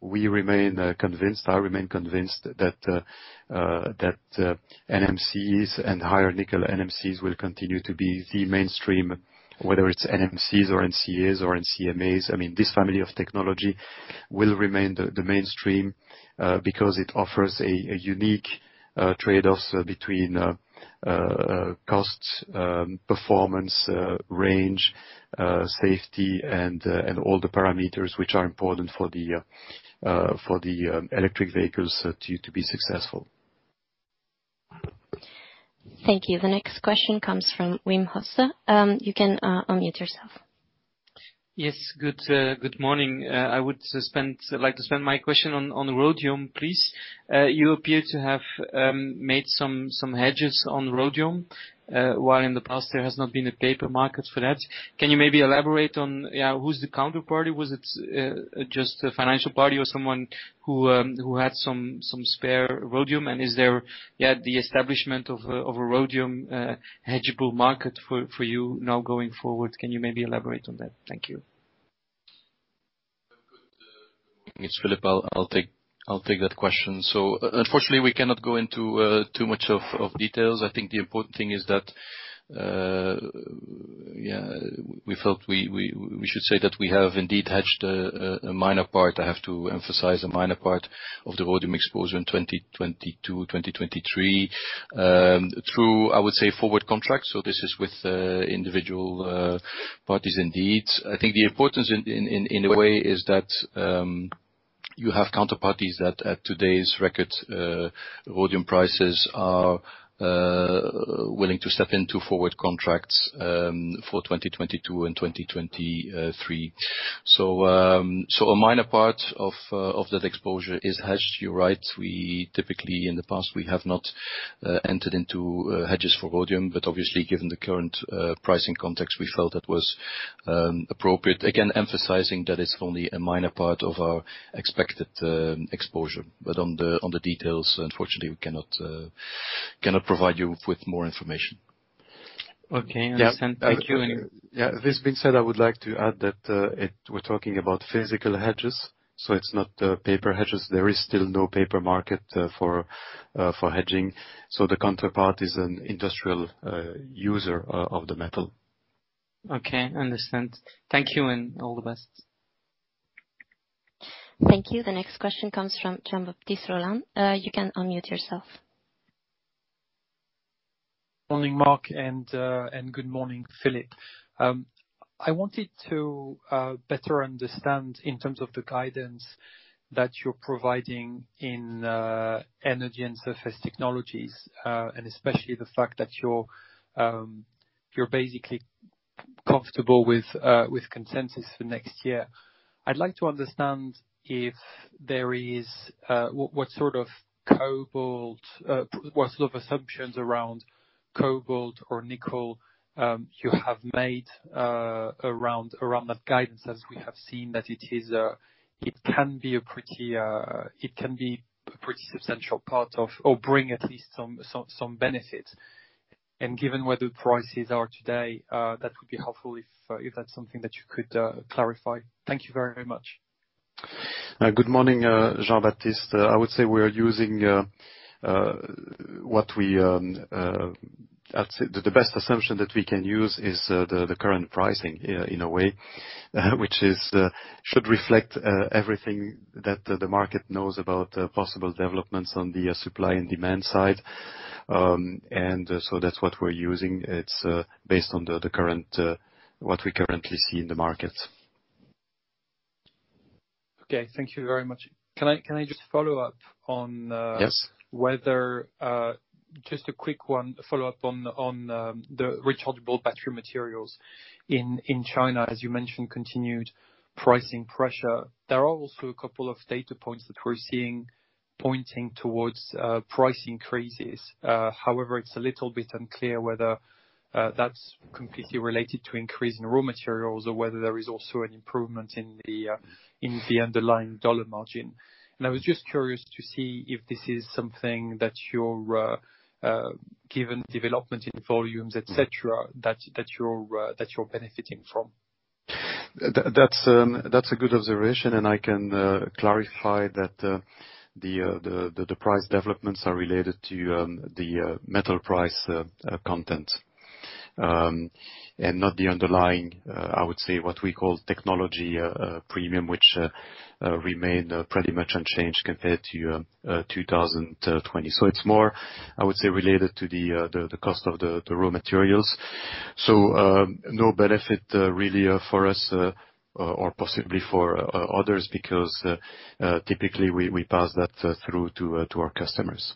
B: We remain convinced, I remain convinced that NMCs and higher nickel NMCs will continue to be the mainstream, whether it's NMCs or NCAs or NCMAs. This family of technology will remain the mainstream, because it offers a unique trade-offs between cost, performance, range, safety and all the parameters which are important for the electric vehicles to be successful.
A: Thank you. The next question comes from Wim Hoste. You can unmute yourself.
G: Yes. Good morning. I would like to spend my question on rhodium, please. You appear to have made some hedges on rhodium, while in the past there has not been a paper market for that. Can you maybe elaborate on who's the counterparty? Was it just a financial party or someone who had some spare rhodium? Is there yet the establishment of a rhodium hedgeable market for you now going forward? Can you maybe elaborate on that? Thank you.
C: Good morning. It's Filip. I'll take that question. Unfortunately, we cannot go into too much of details. I think the important thing is that we felt we should say that we have indeed hedged a minor part, I have to emphasize, a minor part of the rhodium exposure in 2022, 2023, through, I would say, forward contracts. This is with individual parties indeed. I think the importance in a way is that you have counterparties that at today's record rhodium prices are willing to step into forward contracts for 2022 and 2023. A minor part of that exposure is hedged. You're right. We typically in the past, we have not entered into hedges for rhodium, but obviously given the current pricing context, we felt that was appropriate. Again, emphasizing that it's only a minor part of our expected exposure. On the details, unfortunately, we cannot provide you with more information.
G: Okay. Understand. Thank you.
B: Yeah. This being said, I would like to add that we're talking about physical hedges, so it's not paper hedges. There is still no paper market for hedging. The counterpart is an industrial user of the metal.
G: Okay, understand. Thank you and all the best.
A: Thank you. The next question comes from Jean-Baptiste Rolland. You can unmute yourself.
H: Morning, Marc, and good morning, Filip. I wanted to better understand in terms of the guidance that you're providing in Energy & Surface Technologies, and especially the fact that you're basically comfortable with consensus for next year. I'd like to understand what sort of assumptions around cobalt or nickel you have made around that guidance, as we have seen that it can be a pretty substantial part of, or bring at least some benefit. Given where the prices are today, that would be helpful if that's something that you could clarify. Thank you very much.
B: Good morning, Jean-Baptiste. I would say the best assumption that we can use is the current pricing in a way, which should reflect everything that the market knows about possible developments on the supply and demand side. That's what we're using. It's based on what we currently see in the market.
H: Okay. Thank you very much. Can I just follow up on?
B: Yes
H: just a quick one follow up on the Rechargeable Battery Materials in China, as you mentioned, continued pricing pressure. There are also a couple of data points that we're seeing pointing towards price increases. However, it's a little bit unclear whether that's completely related to increase in raw materials or whether there is also an improvement in the underlying dollar margin. I was just curious to see if this is something that your given development in volumes, et cetera, that you're benefiting from.
B: That's a good observation, I can clarify that the price developments are related to the metal price content, and not the underlying, I would say, what we call technology premium, which remained pretty much unchanged compared to 2020. It's more, I would say, related to the cost of the raw materials. No benefit really for us or possibly for others because, typically we pass that through to our customers.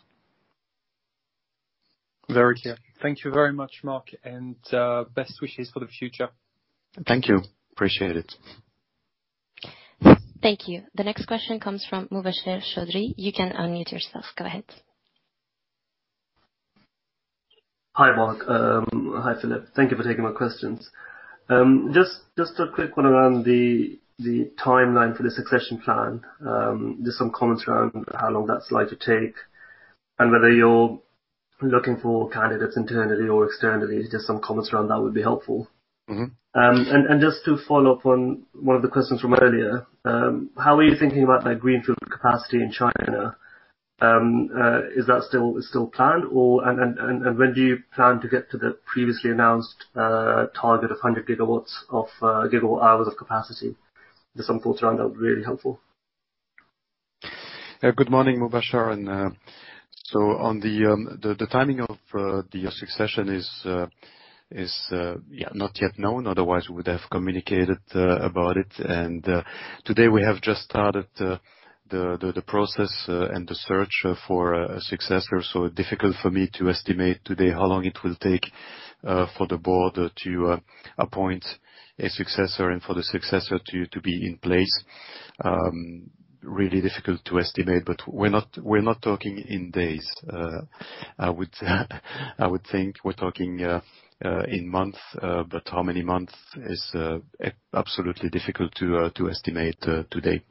H: Very clear. Thank you very much, Marc, and best wishes for the future.
B: Thank you. Appreciate it.
A: Thank you. The next question comes from Mubasher Chaudhry. You can unmute yourself. Go ahead.
I: Hi, Marc. Hi, Filip. Thank you for taking my questions. Just a quick one around the timeline for the succession plan. Just some comments around how long that's likely to take and whether you're looking for candidates internally or externally. Just some comments around that would be helpful. Just to follow up on one of the questions from earlier, how are you thinking about that greenfield capacity in China? Is that still planned, and when do you plan to get to the previously announced target of 100 GWh of capacity? Just some thoughts around that would be really helpful.
B: Good morning, Mubasher. On the timing of the succession is not yet known, otherwise, we would have communicated about it. Today we have just started the process and the search for a successor. Difficult for me to estimate today how long it will take for the board to appoint a successor and for the successor to be in place. Really difficult to estimate, but we're not talking in days. I would think we're talking in months, but how many months is absolutely difficult to estimate today.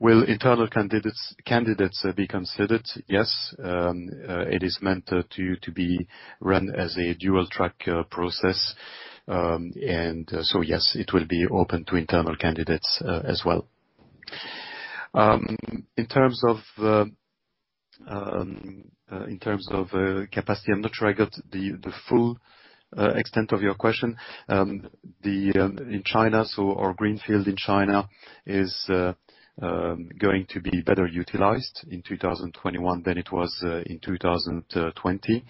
B: Will internal candidates be considered? Yes. It is meant to be run as a dual track process. Yes, it will be open to internal candidates as well. In terms of capacity, I'm not sure I got the full extent of your question. In China, our greenfield in China is going to be better utilized in 2021 than it was in 2020,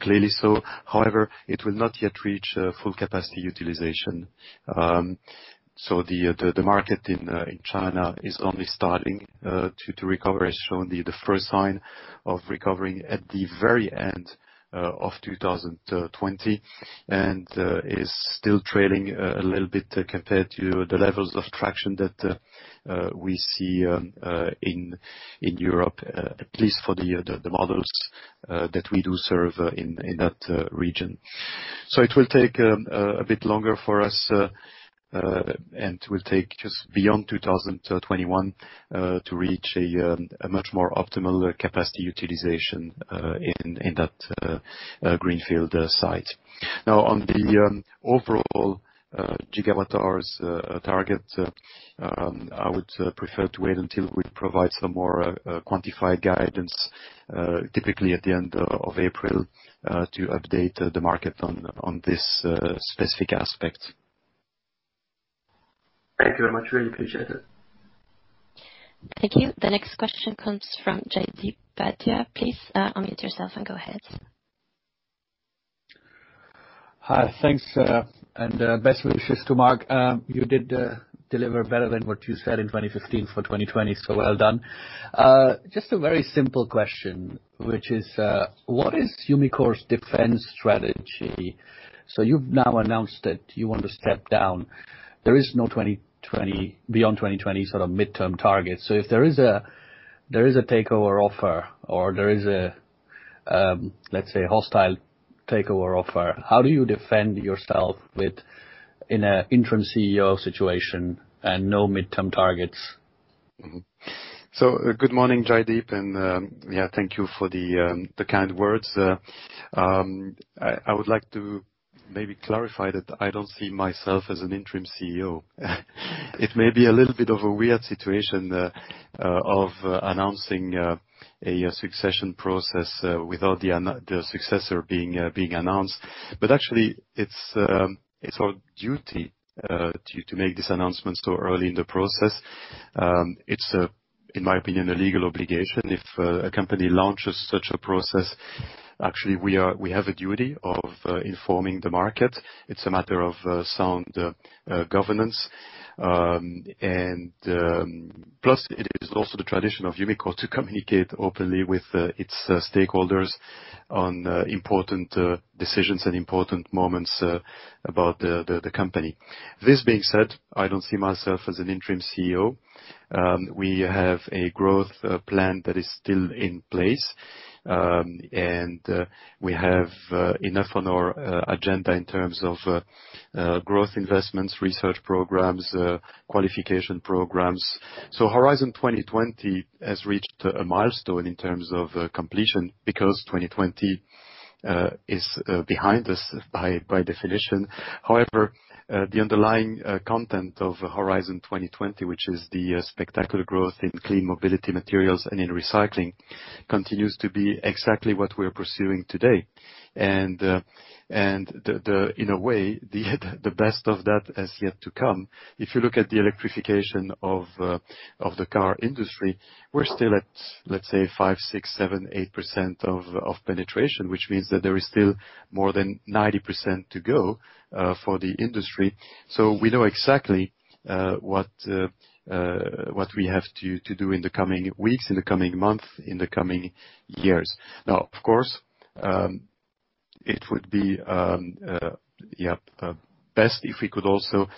B: clearly so. However, it will not yet reach full capacity utilization. The market in China is only starting to recover. It's shown the first sign of recovering at the very end of 2020 and is still trailing a little bit compared to the levels of traction that we see in Europe, at least for the models that we do serve in that region. It will take a bit longer for us, and it will take just beyond 2021 to reach a much more optimal capacity utilization in that greenfield site. Now, on the overall gigawatt hours target, I would prefer to wait until we provide some more quantified guidance, typically at the end of April, to update the market on this specific aspect.
I: Thank you very much. Really appreciate it.
A: Thank you. The next question comes from Jaideep Pandya. Please unmute yourself and go ahead.
J: Hi. Thanks, and best wishes to Marc. You did deliver better than what you said in 2015 for 2020, so well done. Just a very simple question, which is, what is Umicore's defense strategy? You've now announced that you want to step down. There is no beyond 2020 midterm target. If there is a takeover offer or there is, let's say, a hostile takeover offer, how do you defend yourself in an interim CEO situation and no midterm targets?
B: Good morning, Jaideep, and thank you for the kind words. I would like to maybe clarify that I don't see myself as an interim CEO. It may be a little bit of a weird situation of announcing a succession process without the successor being announced. Actually, it's our duty to make this announcement so early in the process. It's, in my opinion, a legal obligation if a company launches such a process, actually, we have a duty of informing the market. It's a matter of sound governance. Plus, it is also the tradition of Umicore to communicate openly with its stakeholders on important decisions and important moments about the company. This being said, I don't see myself as an interim CEO. We have a growth plan that is still in place. We have enough on our agenda in terms of growth investments, research programs, qualification programs. Horizon 2020 has reached a milestone in terms of completion because 2020 is behind us by definition. However, the underlying content of Horizon 2020, which is the spectacular growth in clean mobility materials and in recycling, continues to be exactly what we're pursuing today. In a way, the best of that has yet to come. If you look at the electrification of the car industry, we're still at, let's say, 5%, 6%, 7%, 8% of penetration, which means that there is still more than 90% to go for the industry. We know exactly what we have to do in the coming weeks, in the coming month, in the coming years. Of course, it would be best if we could also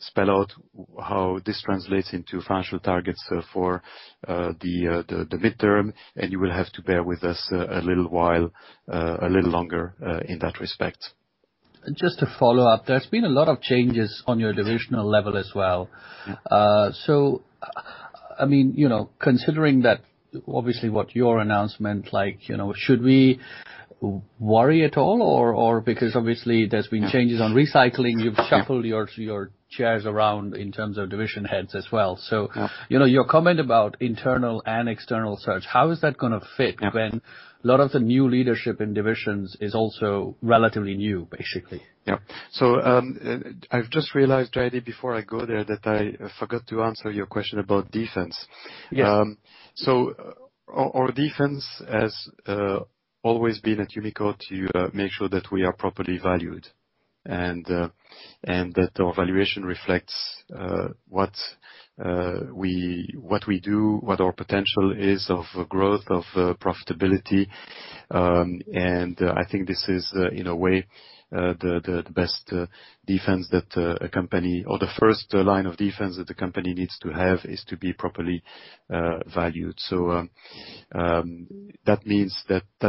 B: spell out how this translates into financial targets for the midterm, and you will have to bear with us a little while, a little longer, in that respect.
J: Just to follow up, there's been a lot of changes on your divisional level as well. Considering that, obviously what your announcement like, should we worry at all or? Obviously there's been changes on Recycling. You've shuffled your chairs around in terms of division heads as well. Your comment about internal and external search, how is that going to fit when a lot of the new leadership in divisions is also relatively new, basically?
B: Yeah. I've just realized, Jaideep, before I go there, that I forgot to answer your question about defense.
J: Yes.
B: Our defense has always been at Umicore to make sure that we are properly valued and that our valuation reflects what we do, what our potential is of growth, of profitability. I think this is, in a way, the best defense that a company or the first line of defense that the company needs to have is to be properly valued. That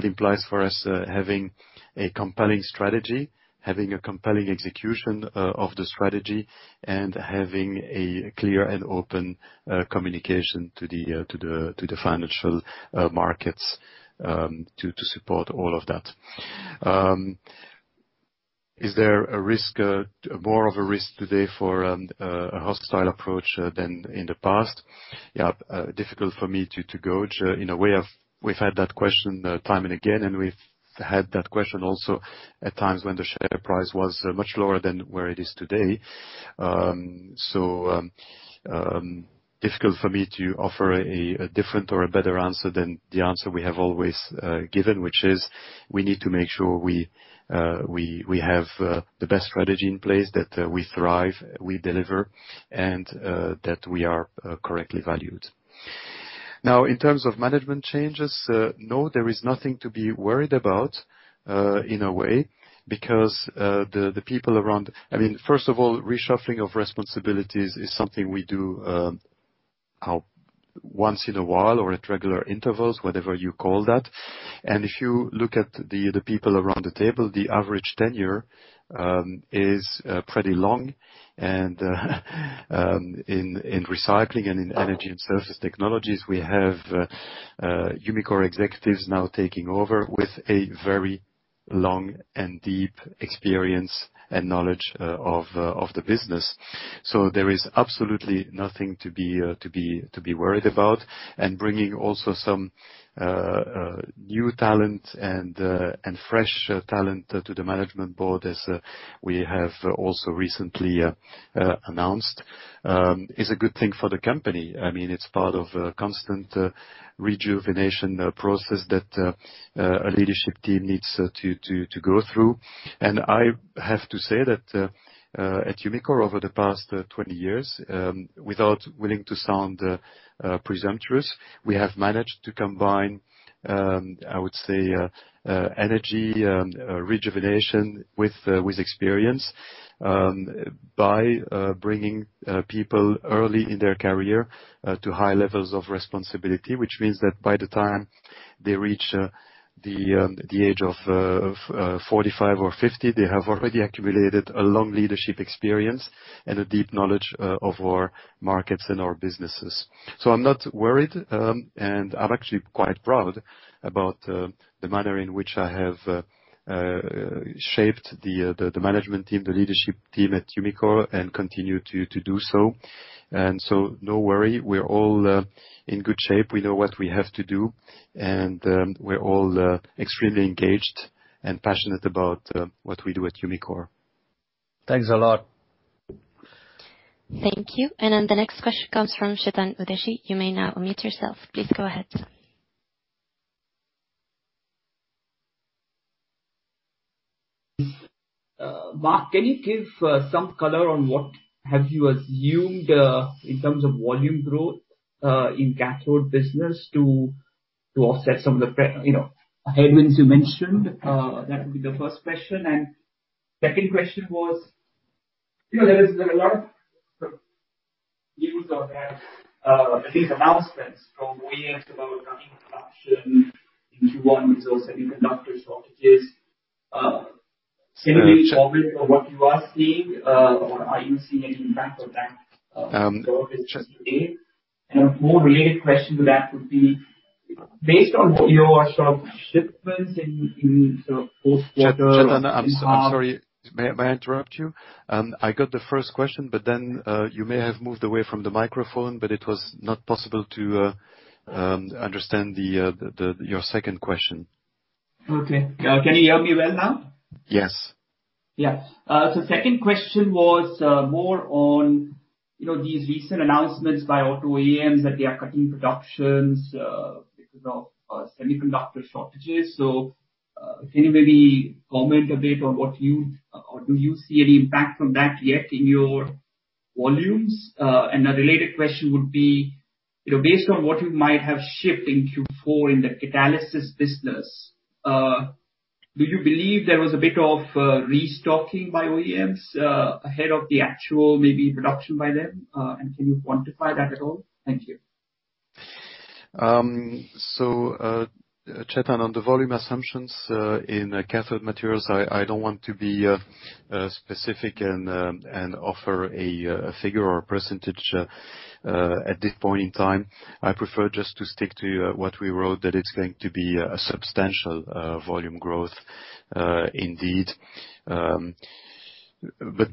B: implies for us having a compelling strategy, having a compelling execution of the strategy, and having a clear and open communication to the financial markets to support all of that. Is there more of a risk today for a hostile approach than in the past? Yeah. Difficult for me to gauge. In a way, we've had that question time and again, and we've had that question also at times when the share price was much lower than where it is today. Difficult for me to offer a different or a better answer than the answer we have always given, which is, we need to make sure we have the best strategy in place, that we thrive, we deliver, and that we are correctly valued. In terms of management changes, no, there is nothing to be worried about in a way, because the people around. First of all, reshuffling of responsibilities is something we do once in a while or at regular intervals, whatever you call that. If you look at the people around the table, the average tenure is pretty long. In Recycling and in Energy & Surface Technologies, we have Umicore executives now taking over with a very long and deep experience and knowledge of the business. There is absolutely nothing to be worried about. Bringing also some new talent and fresh talent to the management board, as we have also recently announced, is a good thing for the company. It's part of a constant rejuvenation process that a leadership team needs to go through. I have to say that at Umicore over the past 20 years, without willing to sound presumptuous, we have managed to combine, I would say, energy and rejuvenation with experience, by bringing people early in their career to high levels of responsibility. Which means that by the time they reach the age of 45 or 50, they have already accumulated a long leadership experience and a deep knowledge of our markets and our businesses. I'm not worried, and I'm actually quite proud about the manner in which I have shaped the management team, the leadership team at Umicore, and continue to do so. No worry, we're all in good shape. We know what we have to do. We're all extremely engaged and passionate about what we do at Umicore.
J: Thanks a lot.
A: Thank you. The next question comes from Chetan Udeshi. You may now unmute yourself. Please go ahead.
K: Marc, can you give some color on what have you assumed, in terms of volume growth, in cathode business to offset some of the headwinds you mentioned? That would be the first question. Second question was, there is a lot of news or at least announcements from OEMs about cutting production in Q1 because of semiconductor shortages. Can you maybe comment on what you are seeing, or are you seeing any impact of that growth as of today? A more related question to that would be, based on what you have shipped in-
B: I'm sorry, may I interupt you? I got the first question, but then you may have moved away from the microphone. If it not possible to understand your second question.
K: Okay, can you hear me right now?
B: Yes.
K: A more related question to that would be, based on what you have shipped in Q4 in the Catalysis business, do you believe there was a bit of restocking by OEMs ahead of the actual production by them? Can you quantify that at all? Thank you.
B: Chetan, on the volume assumptions in cathode materials, I don't want to be specific and offer a figure or a percentge at this point in time. I prefer just to stick to what we wrote, that it's going to be a substantial volume growth indeed.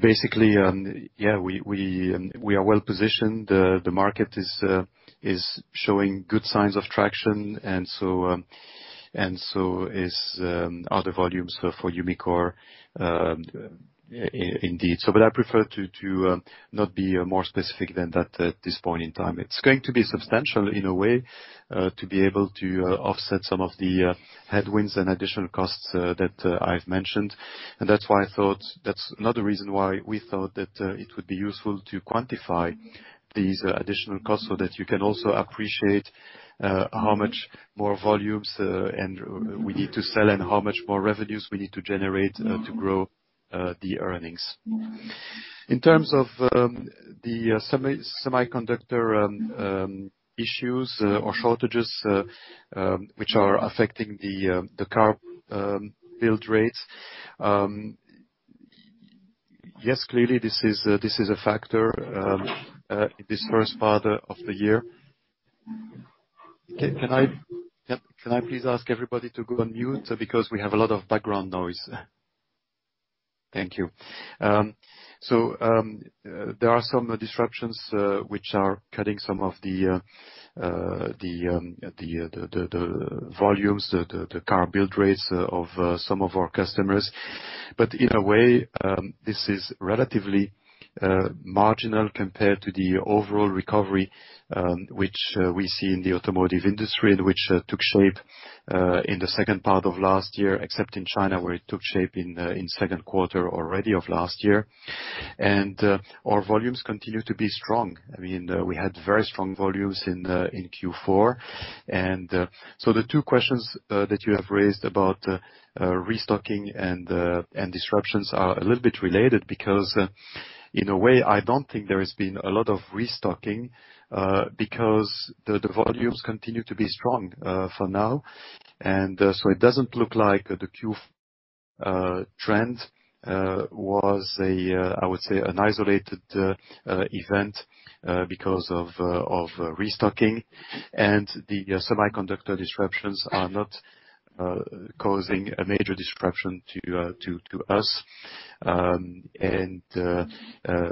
B: Basically, we are well-positioned. The market is showing good signs of traction, and so is other volumes for Umicore indeed. I prefer to not be more specific than that at this point in time. It's going to be substantial in a way to be able to offset some of the headwinds and additional costs that I've mentioned. That's another reason why we thought that it would be useful to quantify these additional costs so that you can also appreciate how much more volumes we need to sell and how much more revenues we need to generate to grow the earnings. In terms of the semiconductor issues or shortages which are affecting the car build rates. Yes, clearly this is a factor in this first part of the year. Can I please ask everybody to go on mute, because we have a lot of background noise. Thank you. There are some disruptions which are cutting some of the volumes, the car build rates of some of our customers. In a way, this is relatively marginal compared to the overall recovery which we see in the automotive industry and which took shape in the second part of last year, except in China, where it took shape in second quarter already of last year. Our volumes continue to be strong. We had very strong volumes in Q4. The two questions that you have raised about restocking and disruptions are a little bit related because, in a way, I don't think there has been a lot of restocking because the volumes continue to be strong for now. It doesn't look like the Q trend was, I would say an isolated event because of restocking. The semiconductor disruptions are not causing a major disruption to us.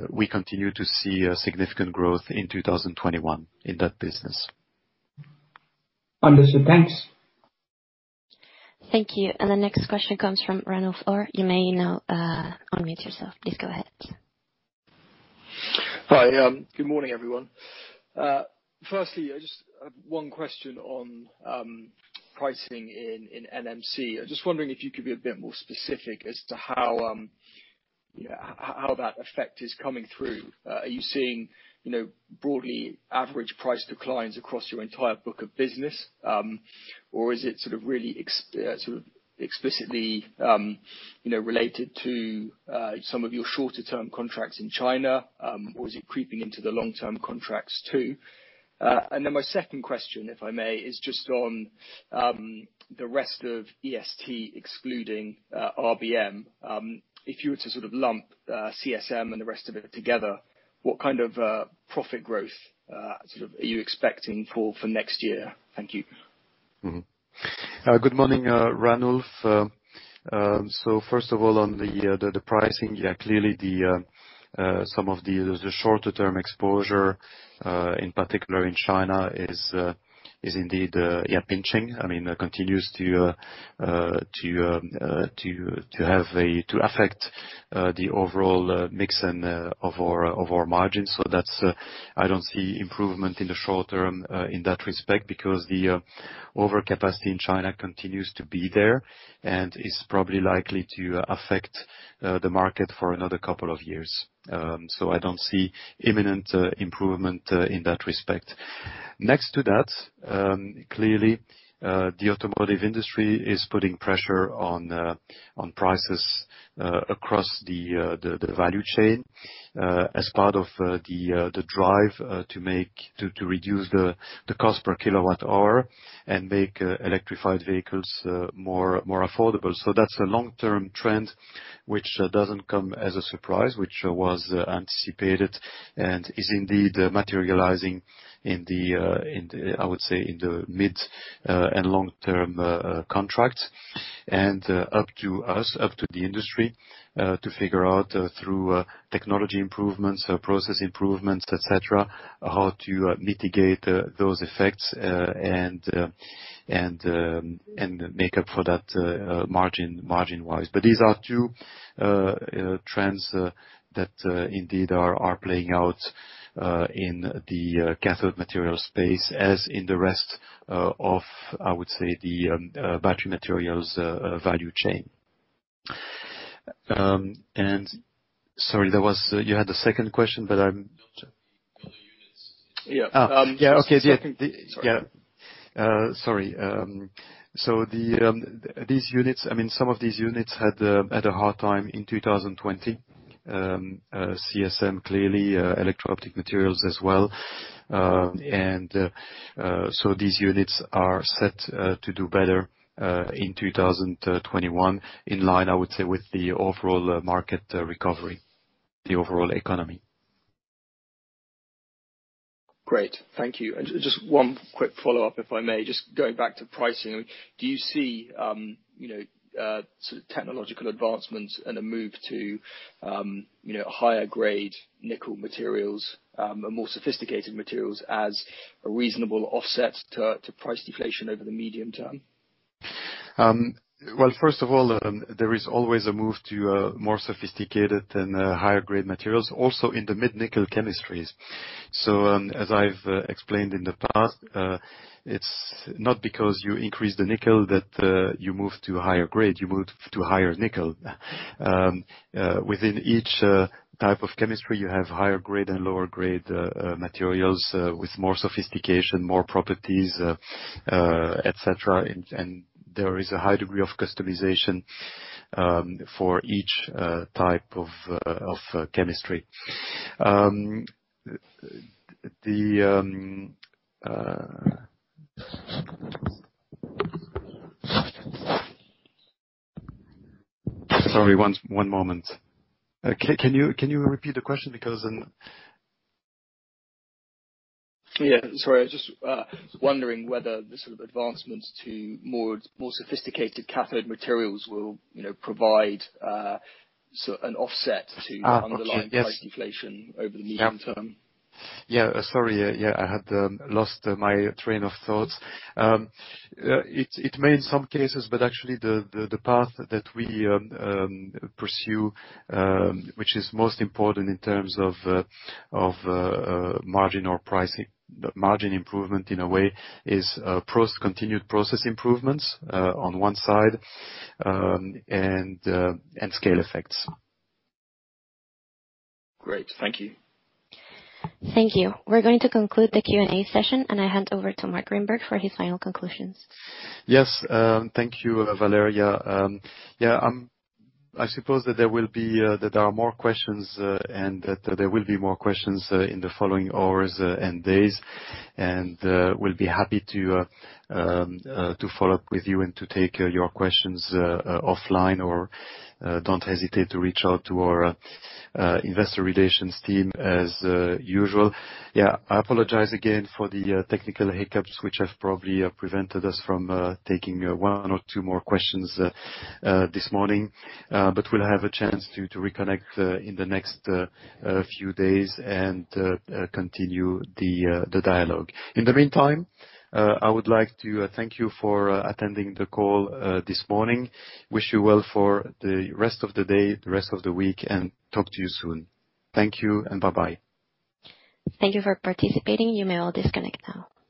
B: We continue to see a significant growth in 2021 in that business.
K: Understood. Thanks.
A: Thank you. The next question comes from Ranulf Orr. You may now unmute yourself. Please go ahead.
L: Hi. Good morning, everyone. I just have one question on pricing in NMC. I'm just wondering if you could be a bit more specific as to how that effect is coming through. Are you seeing broadly average price declines across your entire book of business? Is it really explicitly related to some of your shorter-term contracts in China? Is it creeping into the long-term contracts, too? My second question, if I may, is just on the rest of E&ST, excluding RBM. If you were to lump CSM and the rest of it together, what kind of profit growth are you expecting for next year? Thank you.
B: Good morning, Ranulf. First of all, on the pricing, clearly some of the shorter term exposure, in particular in China, is indeed pinching. I mean, continues to affect the overall mix of our margins. I don't see improvement in the short term in that respect because the overcapacity in China continues to be there and is probably likely to affect the market for another couple of years. I don't see imminent improvement in that respect. Next to that, clearly, the automotive industry is putting pressure on prices across the value chain as part of the drive to reduce the cost per kilowatt hour and make electrified vehicles more affordable. That's a long-term trend which doesn't come as a surprise, which was anticipated and is indeed materializing, I would say, in the mid and long-term contracts. Up to us, up to the industry, to figure out through technology improvements or process improvements, et cetera, how to mitigate those effects and make up for that margin-wise. These are two trends that indeed are playing out in the cathode material space, as in the rest of, I would say, the battery materials value chain. Sorry, you had a second question, but I'm
L: The units. Yeah.
B: Okay. Sorry. Some of these units had a hard time in 2020. CSM, clearly, Electro-Optic Materials as well. These units are set to do better in 2021, in line, I would say, with the overall market recovery, the overall economy.
L: Great. Thank you. Just one quick follow-up, if I may. Just going back to pricing. Do you see technological advancements and a move to higher grade nickel materials, and more sophisticated materials as a reasonable offset to price deflation over the medium term?
B: Well, first of all, there is always a move to more sophisticated and higher grade materials, also in the mid-nickel chemistries. As I've explained in the past, it's not because you increase the nickel that you move to higher grade, you move to higher nickel. Within each type of chemistry, you have higher grade and lower grade materials with more sophistication, more properties, et cetera. There is a high degree of customization for each type of chemistry. Sorry, one moment. Can you repeat the question?
L: Yeah. Sorry. I was just wondering whether the sort of advancements to more sophisticated cathode materials will provide an offset to underlying price inflation over the medium term.
B: Yeah. Sorry. Yeah, I had lost my train of thought. It may in some cases, but actually the path that we pursue, which is most important in terms of margin or pricing, margin improvement in a way, is continued process improvements on one side, and scale effects.
L: Great. Thank you.
A: Thank you. We're going to conclude the Q&A session. I hand over to Marc Grynberg for his final conclusions.
B: Thank you, Valeria. I suppose that there are more questions and that there will be more questions in the following hours and days, and we'll be happy to follow up with you and to take your questions offline, or don't hesitate to reach out to our investor relations team as usual. I apologize again for the technical hiccups, which have probably prevented us from taking one or two more questions this morning. We'll have a chance to reconnect in the next few days and continue the dialogue. In the meantime, I would like to thank you for attending the call this morning. Wish you well for the rest of the day, the rest of the week, and talk to you soon. Thank you and bye-bye.
A: Thank you for participating. You may all disconnect now.